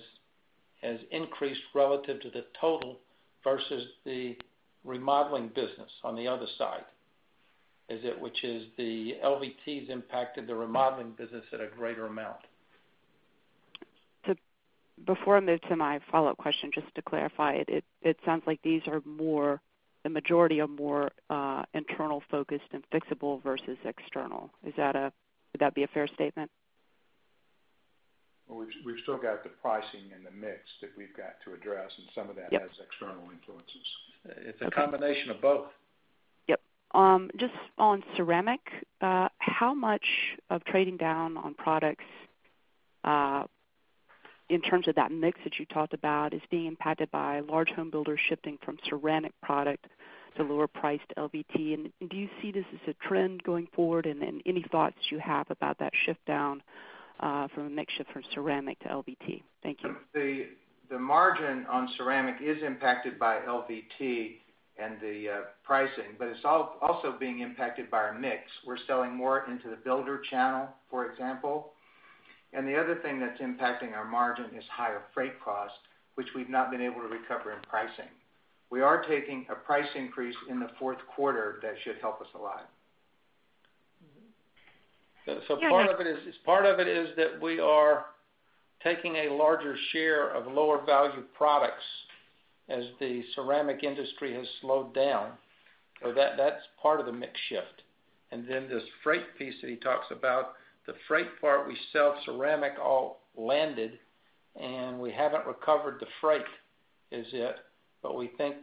increased relative to the total versus the remodeling business on the other side. The LVT has impacted the remodeling business at a greater amount. Before I move to my follow-up question, just to clarify it sounds like the majority are more internal focused and fixable versus external. Would that be a fair statement? We've still got the pricing and the mix that we've got to address, and some of that has external influences. It's a combination of both. Yep. Just on ceramic, how much of trading down on products in terms of that mix that you talked about is being impacted by large home builders shifting from ceramic product to lower priced LVT? Do you see this as a trend going forward? Any thoughts you have about that shift down from a mix shift from ceramic to LVT? Thank you. The margin on ceramic is impacted by LVT and the pricing, it's also being impacted by our mix. We're selling more into the builder channel, for example. The other thing that's impacting our margin is higher freight costs, which we've not been able to recover in pricing. We are taking a price increase in the fourth quarter that should help us a lot. Part of it is that we are taking a larger share of lower value products as the ceramic industry has slowed down. That's part of the mix shift. Then this freight piece that he talks about, the freight part, we sell ceramic all landed, we haven't recovered the freight as yet. We think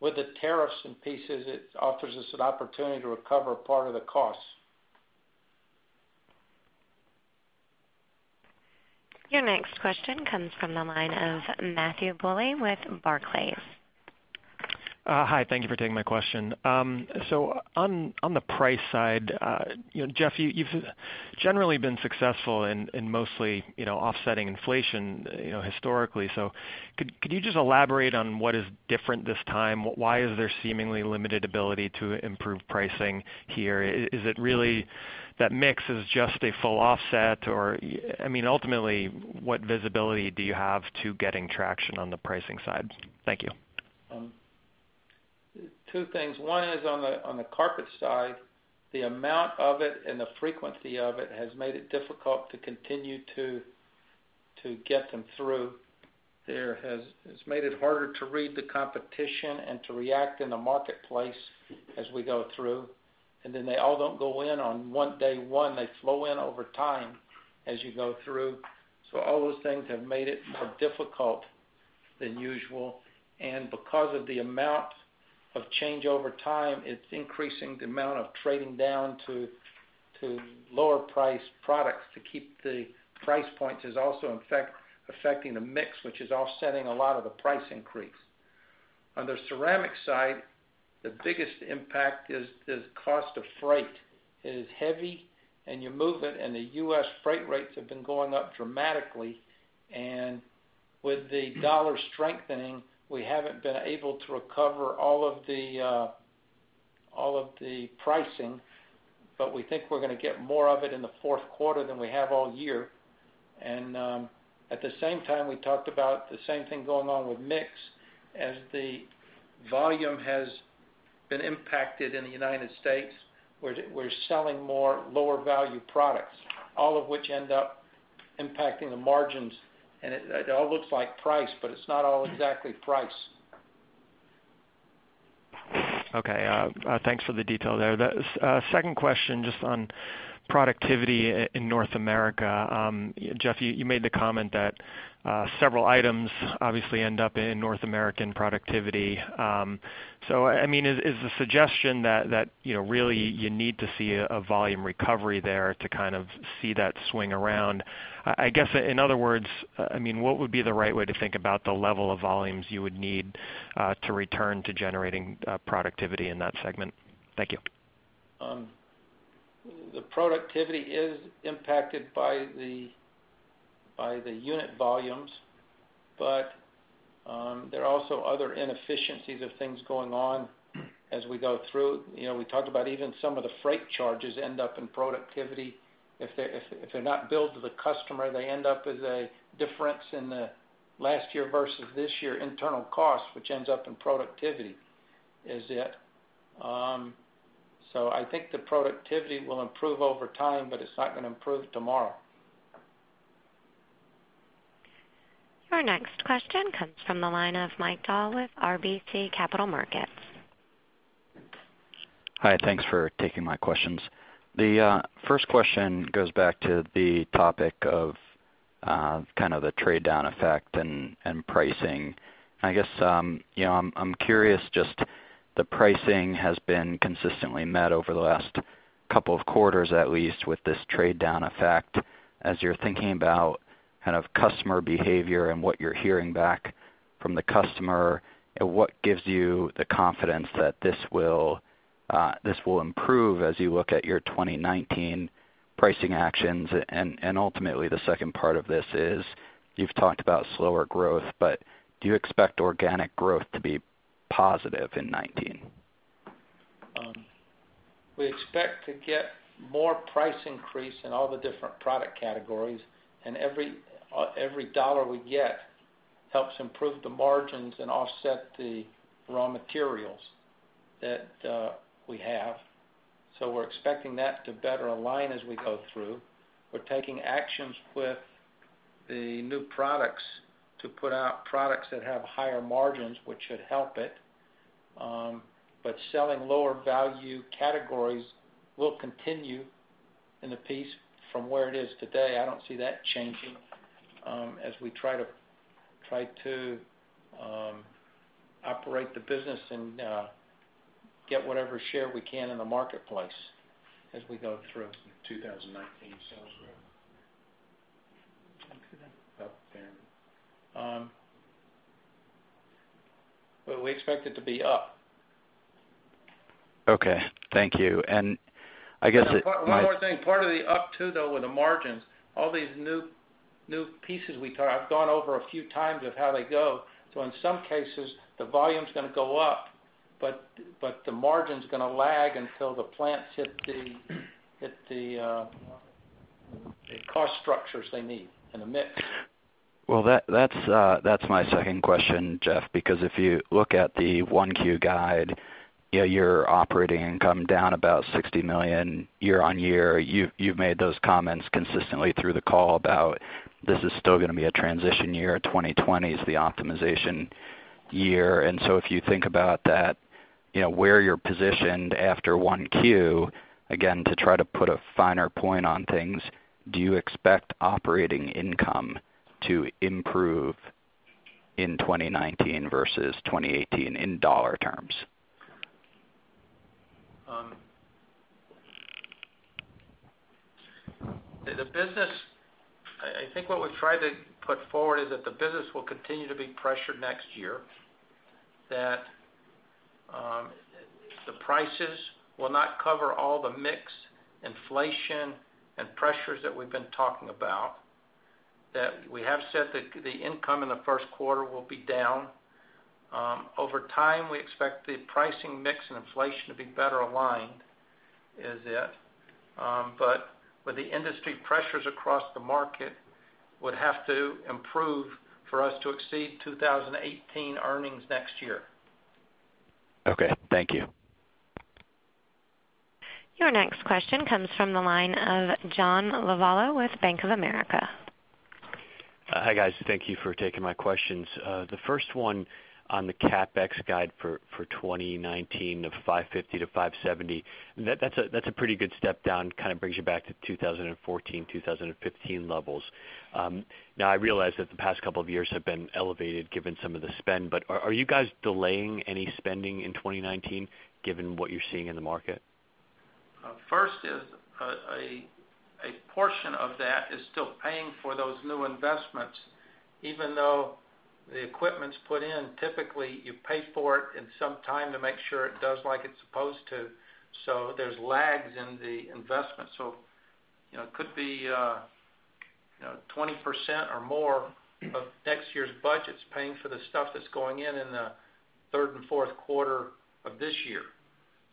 with the tariffs and pieces, it offers us an opportunity to recover part of the cost. Your next question comes from the line of Matthew Bouley with Barclays. Hi, thank you for taking my question. On the price side, Jeff, you've generally been successful in mostly offsetting inflation historically. Could you just elaborate on what is different this time? Why is there seemingly limited ability to improve pricing here? Is it really that mix is just a full offset, or ultimately, what visibility do you have to getting traction on the pricing side? Thank you. Two things. One is on the carpet side, the amount of it and the frequency of it has made it difficult to continue to get them through. It has made it harder to read the competition and to react in the marketplace as we go through. They all don't go in on day one. They flow in over time as you go through. All those things have made it more difficult than usual. Because of the amount of change over time, it's increasing the amount of trading down to lower priced products to keep the price points is also affecting the mix, which is offsetting a lot of the price increase. On the ceramic side, the biggest impact is cost of freight. It is heavy and you move it, the U.S. freight rates have been going up dramatically. With the dollar strengthening, we haven't been able to recover all of the pricing, but we think we're going to get more of it in the fourth quarter than we have all year. At the same time, we talked about the same thing going on with mix. As the volume has been impacted in the U.S., we're selling more lower value products, all of which end up impacting the margins. It all looks like price, but it's not all exactly price. Okay, thanks for the detail there. Second question, just on productivity in North America. Jeff, you made the comment that several items obviously end up in North American productivity. Is the suggestion that really you need to see a volume recovery there to kind of see that swing around? I guess, in other words, what would be the right way to think about the level of volumes you would need to return to generating productivity in that segment? Thank you. The productivity is impacted by the unit volumes, but there are also other inefficiencies of things going on as we go through. We talked about even some of the freight charges end up in productivity. If they're not billed to the customer, they end up as a difference in the last year versus this year internal cost, which ends up in productivity. I think the productivity will improve over time, but it's not going to improve tomorrow. Your next question comes from the line of Mike Dahl with RBC Capital Markets. Hi, thanks for taking my questions. The first question goes back to the topic of kind of the trade down effect and pricing. I guess, I'm curious, just the pricing has been consistently met over the last couple of quarters, at least, with this trade down effect. As you're thinking about kind of customer behavior and what you're hearing back from the customer, what gives you the confidence that this will improve as you look at your 2019 pricing actions? Ultimately, the second part of this is, you've talked about slower growth, but do you expect organic growth to be positive in 2019? We expect to get more price increase in all the different product categories, and every dollar we get helps improve the margins and offset the raw materials that we have. We're expecting that to better align as we go through. We're taking actions with the new products to put out products that have higher margins, which should help it. Selling lower value categories will continue in the piece from where it is today. I don't see that changing as we try to operate the business and get whatever share we can in the marketplace as we go through. 2019 sales growth. Well, we expect it to be up. Okay. Thank you. One more thing. Part of the up too, though, with the margins, all these new pieces I've gone over a few times of how they go. In some cases, the volume's going to go up, but the margin's going to lag until the plants hit the cost structures they need and the mix. Well, that's my second question, Jeff, because if you look at the 1Q guide, your operating income down about $60 million year-on-year. You've made those comments consistently through the call about this is still going to be a transition year. 2020 is the optimization year. If you think about that, where you're positioned after 1Q, again, to try to put a finer point on things, do you expect operating income to improve in 2019 versus 2018 in dollar terms? The business, I think what we've tried to put forward is that the business will continue to be pressured next year. That the prices will not cover all the mix, inflation, and pressures that we've been talking about. That we have said that the income in the first quarter will be down. Over time, we expect the pricing mix and inflation to be better aligned. With the industry pressures across the market would have to improve for us to exceed 2018 earnings next year. Okay. Thank you. Your next question comes from the line of John Lovallo with Bank of America. Hi, guys. Thank you for taking my questions. The first one on the CapEx guide for 2019 of $550-$570, that's a pretty good step down, kind of brings you back to 2014, 2015 levels. Now, I realize that the past couple of years have been elevated given some of the spend, are you guys delaying any spending in 2019 given what you're seeing in the market? A portion of that is still paying for those new investments. Even though the equipment's put in, typically you pay for it in some time to make sure it does like it's supposed to, so there's lags in the investment. It could be 20% or more of next year's budgets paying for the stuff that's going in the third and fourth quarter of this year.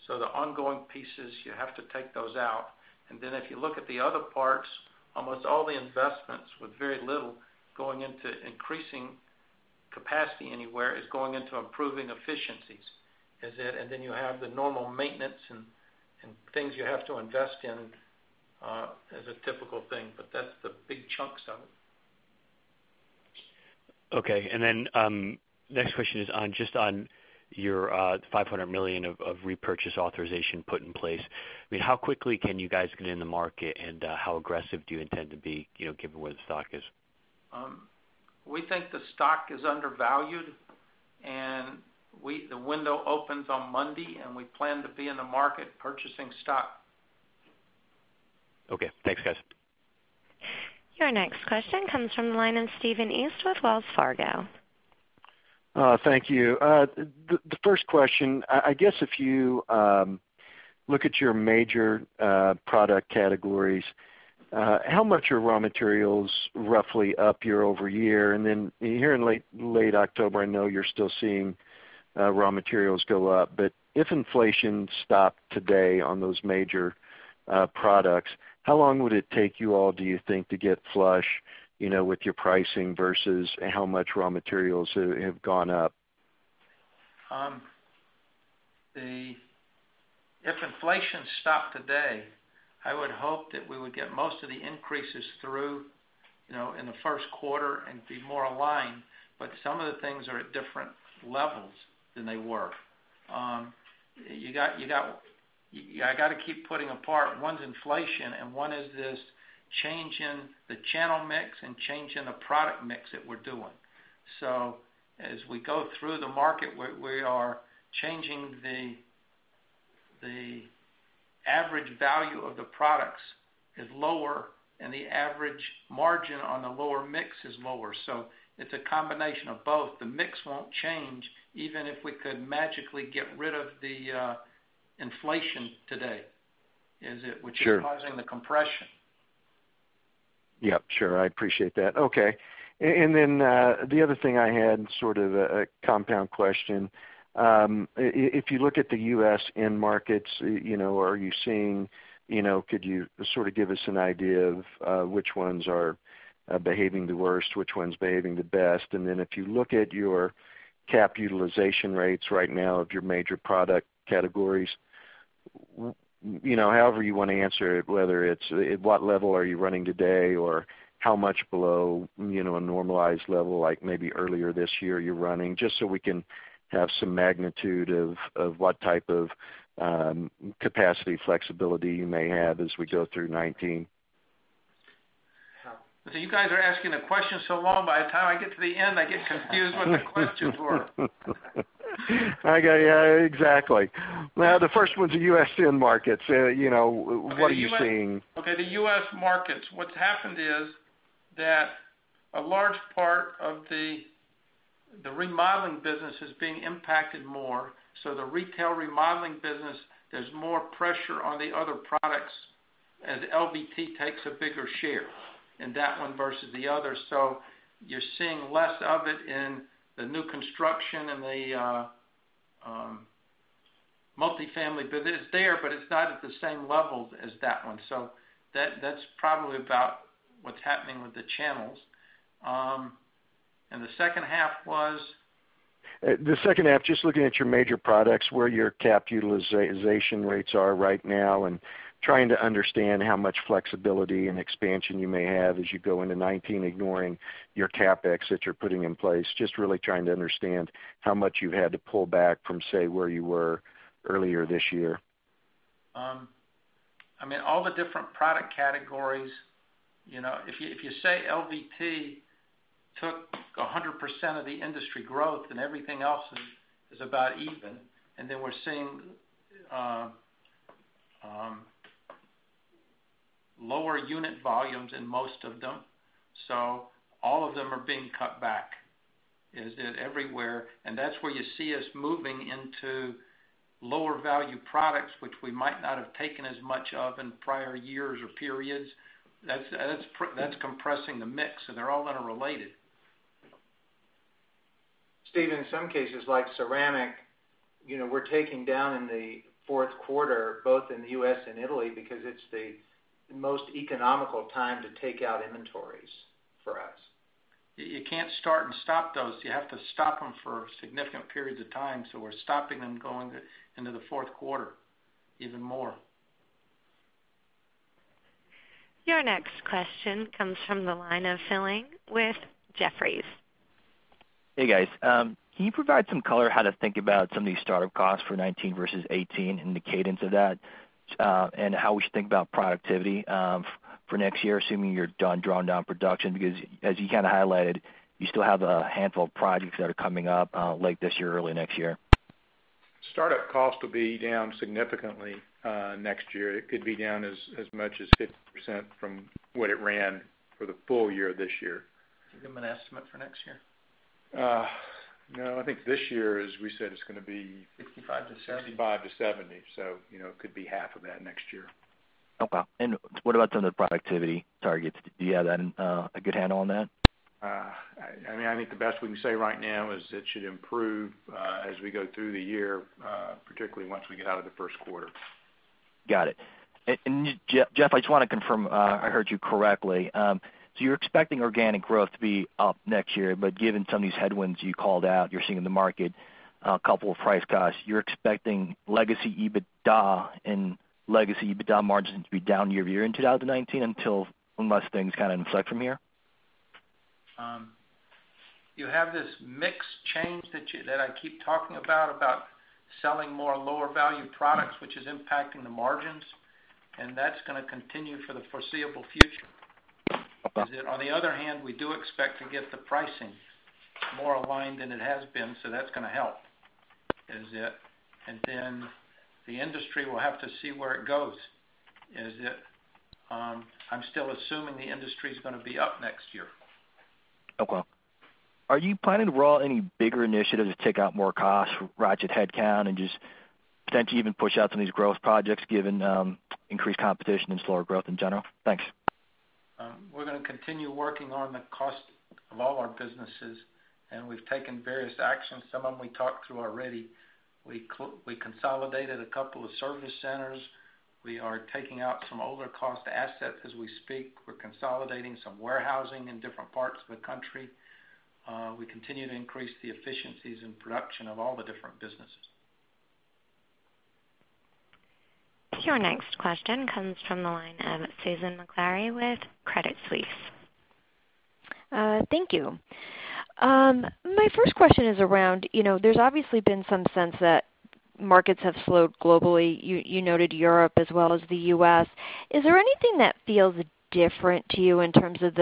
The ongoing pieces, you have to take those out. If you look at the other parts, almost all the investments, with very little going into increasing capacity anywhere, is going into improving efficiencies. Is it? You have the normal maintenance and things you have to invest in as a typical thing. That's the big chunks of it. Okay. Next question is just on your $500 million of repurchase authorization put in place. How quickly can you guys get in the market, and how aggressive do you intend to be given where the stock is? We think the stock is undervalued. The window opens on Monday, and we plan to be in the market purchasing stock. Okay. Thanks, guys. Your next question comes from the line of Stephen East with Wells Fargo. Thank you. The first question, I guess if you look at your major product categories, how much are raw materials roughly up year-over-year? Then here in late October, I know you're still seeing raw materials go up, but if inflation stopped today on those major products, how long would it take you all, do you think, to get flush with your pricing versus how much raw materials have gone up? If inflation stopped today, I would hope that we would get most of the increases through in the first quarter and be more aligned. Some of the things are at different levels than they were. I got to keep putting apart one's inflation and one is this change in the channel mix and change in the product mix that we're doing. As we go through the market, where we are changing the average value of the products is lower, and the average margin on the lower mix is lower. It's a combination of both. The mix won't change, even if we could magically get rid of the inflation today, is it- Sure which is causing the compression. Yep, sure. I appreciate that. Okay. The other thing I had sort of a compound question. If you look at the U.S. end markets, are you seeing, could you sort of give us an idea of which ones are behaving the worst, which one's behaving the best? If you look at your cap utilization rates right now of your major product categories, however you want to answer it, whether it's what level are you running today or how much below a normalized level, like maybe earlier this year you're running, just so we can have some magnitude of what type of capacity flexibility you may have as we go through 2019. You guys are asking the questions so long, by the time I get to the end, I get confused what the questions were. I got you. Exactly. The first one's the U.S. end markets. What are you seeing? Okay. The U.S. markets. What's happened is that a large part of the remodeling business is being impacted more. The retail remodeling business, there's more pressure on the other products as LVT takes a bigger share in that one versus the others. You're seeing less of it in the new construction and the multi-family business. It's there, but it's not at the same level as that one. That's probably about what's happening with the channels. The second half was? The second half, just looking at your major products, where your cap utilization rates are right now and trying to understand how much flexibility and expansion you may have as you go into 2019, ignoring your CapEx that you're putting in place. Just really trying to understand how much you've had to pull back from, say, where you were earlier this year. All the different product categories, if you say LVT took 100% of the industry growth and everything else is about even, then we're seeing lower unit volumes in most of them, all of them are being cut back. Is it everywhere? That's where you see us moving into lower value products, which we might not have taken as much of in prior years or periods. That's compressing the mix, and they're all interrelated. Steve, in some cases, like ceramic, we're taking down in the fourth quarter, both in the U.S. and Italy, because it's the most economical time to take out inventories for us. You can't start and stop those. You have to stop them for significant periods of time. We're stopping them going into the fourth quarter even more. Your next question comes from the line of Phil Ng with Jefferies. Hey, guys. Can you provide some color how to think about some of these startup costs for 2019 versus 2018 and the cadence of that, and how we should think about productivity for next year, assuming you're done drawing down production? Because as you highlighted, you still have a handful of projects that are coming up late this year, early next year. Startup cost will be down significantly next year. It could be down as much as 50% from what it ran for the full year this year. Give them an estimate for next year. No, I think this year, as we said, it's going to be- $55-$70 $55-$70. It could be half of that next year. Okay. What about some of the productivity targets? Do you have a good handle on that? I think the best we can say right now is it should improve as we go through the year, particularly once we get out of the first quarter. Got it. Jeff, I just want to confirm I heard you correctly. You're expecting organic growth to be up next year, but given some of these headwinds you called out, you're seeing in the market, a couple of price cuts, you're expecting legacy EBITDA and legacy EBITDA margins to be down year-over-year in 2019 until, unless things inflect from here? You have this mix change that I keep talking about selling more lower value products, which is impacting the margins, and that's going to continue for the foreseeable future. Okay. On the other hand, we do expect to get the pricing more aligned than it has been, so that's going to help. The industry will have to see where it goes. I'm still assuming the industry's going to be up next year. Okay. Are you planning to roll out any bigger initiatives to take out more costs, ratchet headcount, and just potentially even push out some of these growth projects given increased competition and slower growth in general? Thanks. We're going to continue working on the cost of all our businesses. We've taken various actions. Some of them we talked through already. We consolidated a couple of service centers. We are taking out some older cost assets as we speak. We're consolidating some warehousing in different parts of the country. We continue to increase the efficiencies in production of all the different businesses. Your next question comes from the line of Susan Maklari with Credit Suisse. Thank you. My first question is around, there's obviously been some sense that markets have slowed globally. You noted Europe as well as the U.S. Is there anything that feels different to you in terms of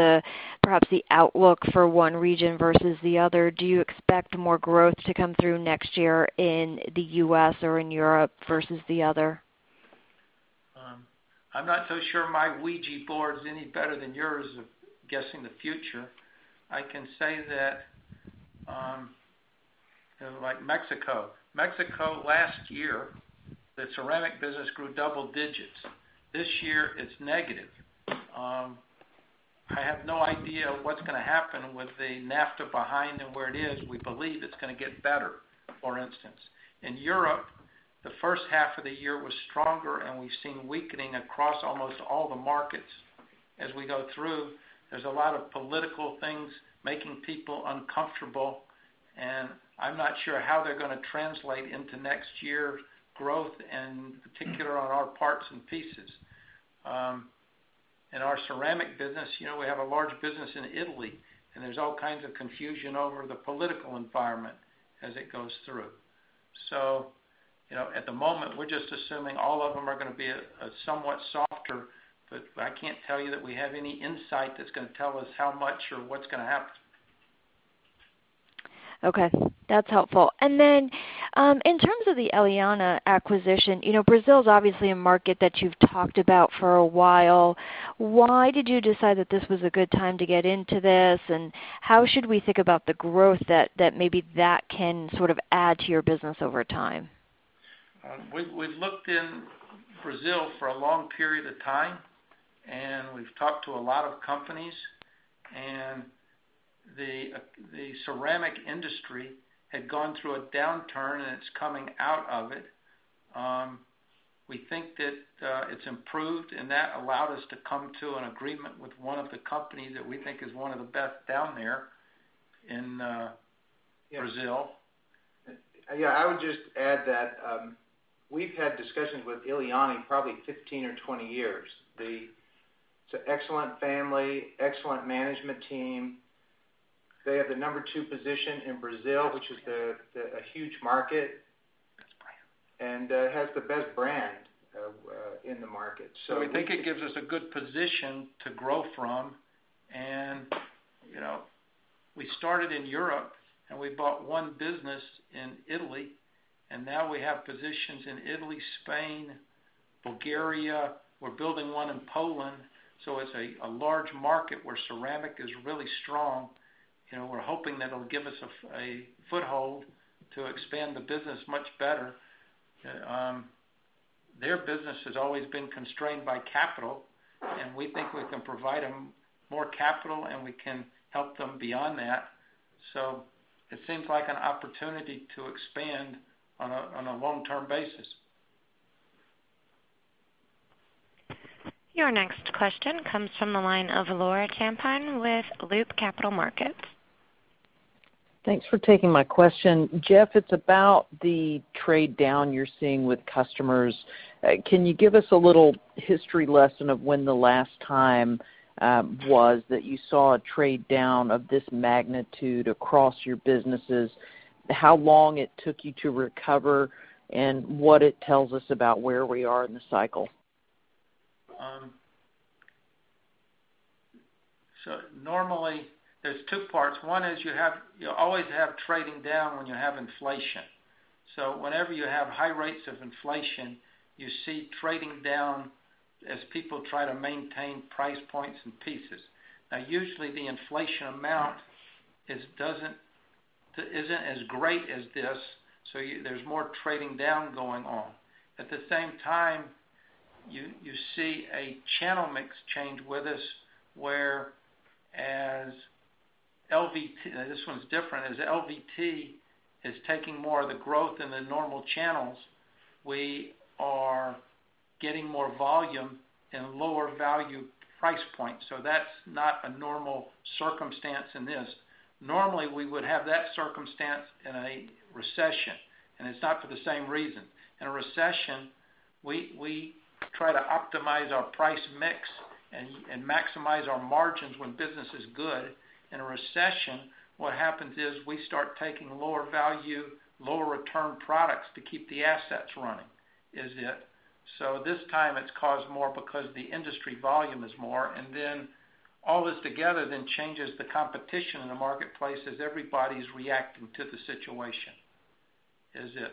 perhaps the outlook for one region versus the other? Do you expect more growth to come through next year in the U.S. or in Europe versus the other? I'm not so sure my Ouija board is any better than yours of guessing the future. I can say that, like Mexico. Mexico last year, the ceramic business grew double digits. This year, it's negative. I have no idea what's going to happen with the NAFTA behind them where it is. We believe it's going to get better, for instance. In Europe, the first half of the year was stronger, and we've seen weakening across almost all the markets. As we go through, there's a lot of political things making people uncomfortable, and I'm not sure how they're going to translate into next year's growth, in particular on our parts and pieces. In our ceramic business, we have a large business in Italy, and there's all kinds of confusion over the political environment as it goes through. At the moment, we're just assuming all of them are going to be somewhat softer, but I can't tell you that we have any insight that's going to tell us how much or what's going to happen. Okay. That's helpful. In terms of the Eliane acquisition, Brazil is obviously a market that you've talked about for a while. Why did you decide that this was a good time to get into this, and how should we think about the growth that maybe that can sort of add to your business over time? We've looked in Brazil for a long period of time, and we've talked to a lot of companies. The ceramic industry had gone through a downturn, and it's coming out of it. We think that it's improved, and that allowed us to come to an agreement with one of the companies that we think is one of the best down there in Brazil. I would just add that we've had discussions with Eliane in probably 15 or 20 years. It's an excellent family, excellent management team. They have the number 2 position in Brazil, which is a huge market, and has the best brand in the market. We think it gives us a good position to grow from. We started in Europe. We bought 1 business in Italy, and now we have positions in Italy, Spain, Bulgaria. We're building 1 in Poland. It's a large market where ceramic is really strong. We're hoping that'll give us a foothold to expand the business much better. Their business has always been constrained by capital, and we think we can provide them more capital, and we can help them beyond that. It seems like an opportunity to expand on a long-term basis. Your next question comes from the line of Laura Champine with Loop Capital Markets. Thanks for taking my question. Jeff, it's about the trade down you're seeing with customers. Can you give us a little history lesson of when the last time was that you saw a trade down of this magnitude across your businesses, how long it took you to recover, and what it tells us about where we are in the cycle? Normally, there's two parts. One is you always have trading down when you have inflation. Whenever you have high rates of inflation, you see trading down as people try to maintain price points and pieces. Usually the inflation amount isn't as great as this, so there's more trading down going on. At the same time, you see a channel mix change with us where as LVT, this one's different. As LVT is taking more of the growth in the normal channels, we are getting more volume and lower value price points. That's not a normal circumstance in this. Normally, we would have that circumstance in a recession, and it's not for the same reason. In a recession, we try to optimize our price mix and maximize our margins when business is good. In a recession, what happens is we start taking lower value, lower return products to keep the assets running. Is it? This time it's caused more because the industry volume is more, and then all this together then changes the competition in the marketplace as everybody's reacting to the situation. Is it?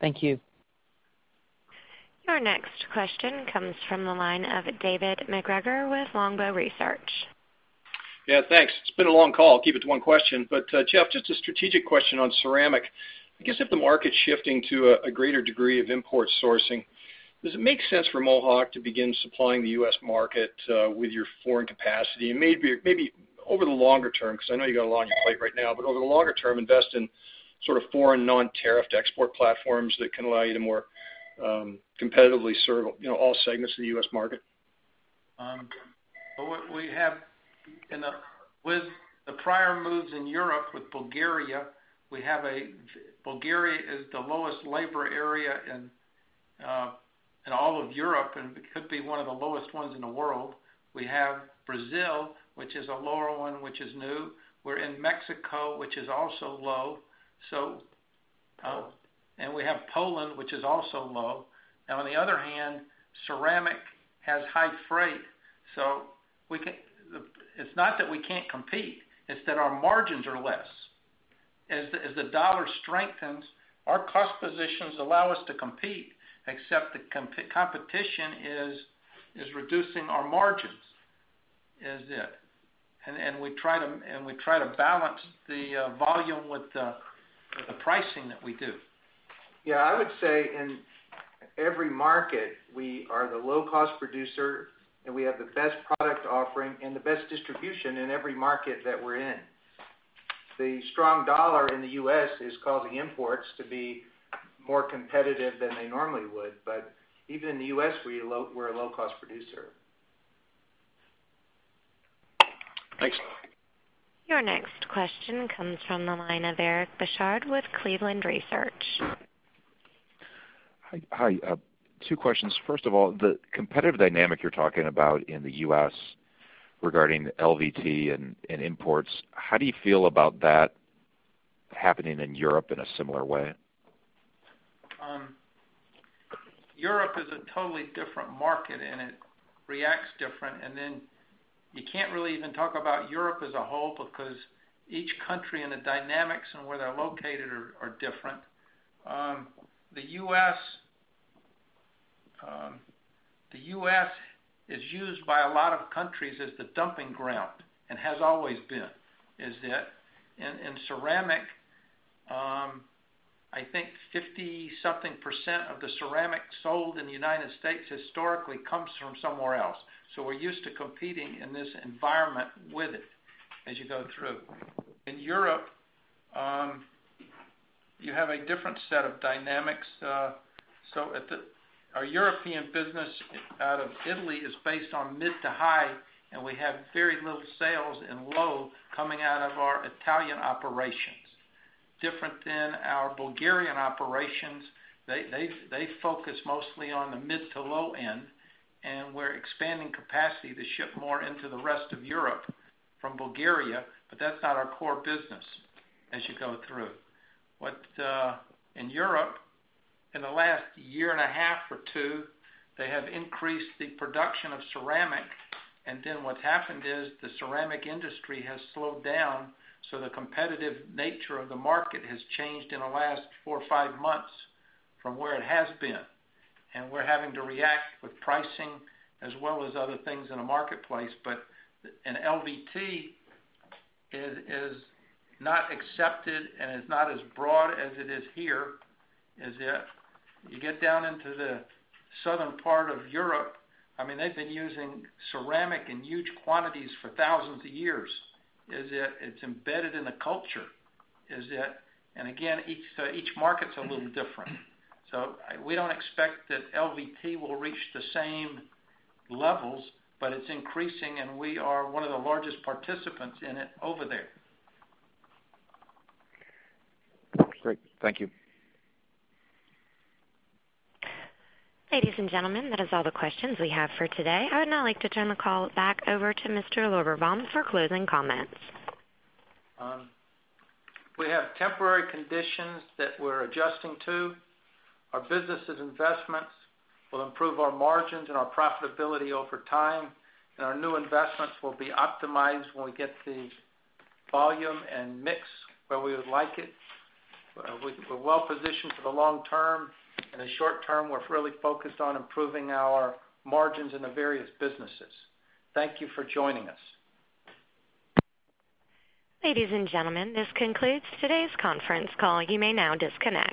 Thank you. Your next question comes from the line of David MacGregor with Longbow Research. Yeah, thanks. It's been a long call. I'll keep it to one question. Jeff, just a strategic question on ceramic. I guess if the market's shifting to a greater degree of import sourcing, does it make sense for Mohawk to begin supplying the U.S. market with your foreign capacity? Maybe over the longer term, because I know you got a lot on your plate right now. Over the longer term, invest in sort of foreign non-tariff to export platforms that can allow you to more competitively serve all segments of the U.S. market? With the prior moves in Europe with Bulgaria is the lowest labor area in all of Europe, and could be one of the lowest ones in the world. We have Brazil, which is a lower one, which is new. We're in Mexico, which is also low. We have Poland, which is also low. Now, on the other hand, ceramic has high freight. It's not that we can't compete, it's that our margins are less. As the dollar strengthens, our cost positions allow us to compete, except the competition is reducing our margins. Is it? We try to balance the volume with the pricing that we do. I would say in every market, we are the low-cost producer, and we have the best product offering and the best distribution in every market that we're in. The strong dollar in the U.S. is causing imports to be more competitive than they normally would, but even in the U.S., we're a low-cost producer. Thanks. Your next question comes from the line of Eric Bouchard with Cleveland Research. Hi. Two questions. First of all, the competitive dynamic you're talking about in the U.S. regarding LVT and imports, how do you feel about that happening in Europe in a similar way? Europe is a totally different market, it reacts different. You can't really even talk about Europe as a whole because each country and the dynamics and where they're located are different. The U.S. is used by a lot of countries as the dumping ground and has always been. Is it? Ceramic, I think 50-something% of the ceramic sold in the United States historically comes from somewhere else. We're used to competing in this environment with it as you go through. In Europe, you have a different set of dynamics. Our European business out of Italy is based on mid to high, and we have very little sales in low coming out of our Italian operations. Different than our Bulgarian operations. They focus mostly on the mid to low end, and we're expanding capacity to ship more into the rest of Europe from Bulgaria, but that's not our core business as you go through. In Europe, in the last year and a half or two, they have increased the production of ceramic. What happened is the ceramic industry has slowed down, so the competitive nature of the market has changed in the last four or five months from where it has been. We're having to react with pricing as well as other things in the marketplace. An LVT is not accepted and is not as broad as it is here, is it? You get down into the southern part of Europe, they've been using ceramic in huge quantities for thousands of years. Is it? It's embedded in the culture. Is it? Again, each market's a little different. We don't expect that LVT will reach the same levels, but it's increasing, and we are one of the largest participants in it over there. Great. Thank you. Ladies and gentlemen, that is all the questions we have for today. I would now like to turn the call back over to Mr. Lorberbaum for closing comments. We have temporary conditions that we're adjusting to. Our businesses investments will improve our margins and our profitability over time, and our new investments will be optimized when we get the volume and mix where we would like it. We're well positioned for the long term. In the short term, we're really focused on improving our margins in the various businesses. Thank you for joining us. Ladies and gentlemen, this concludes today's conference call. You may now disconnect.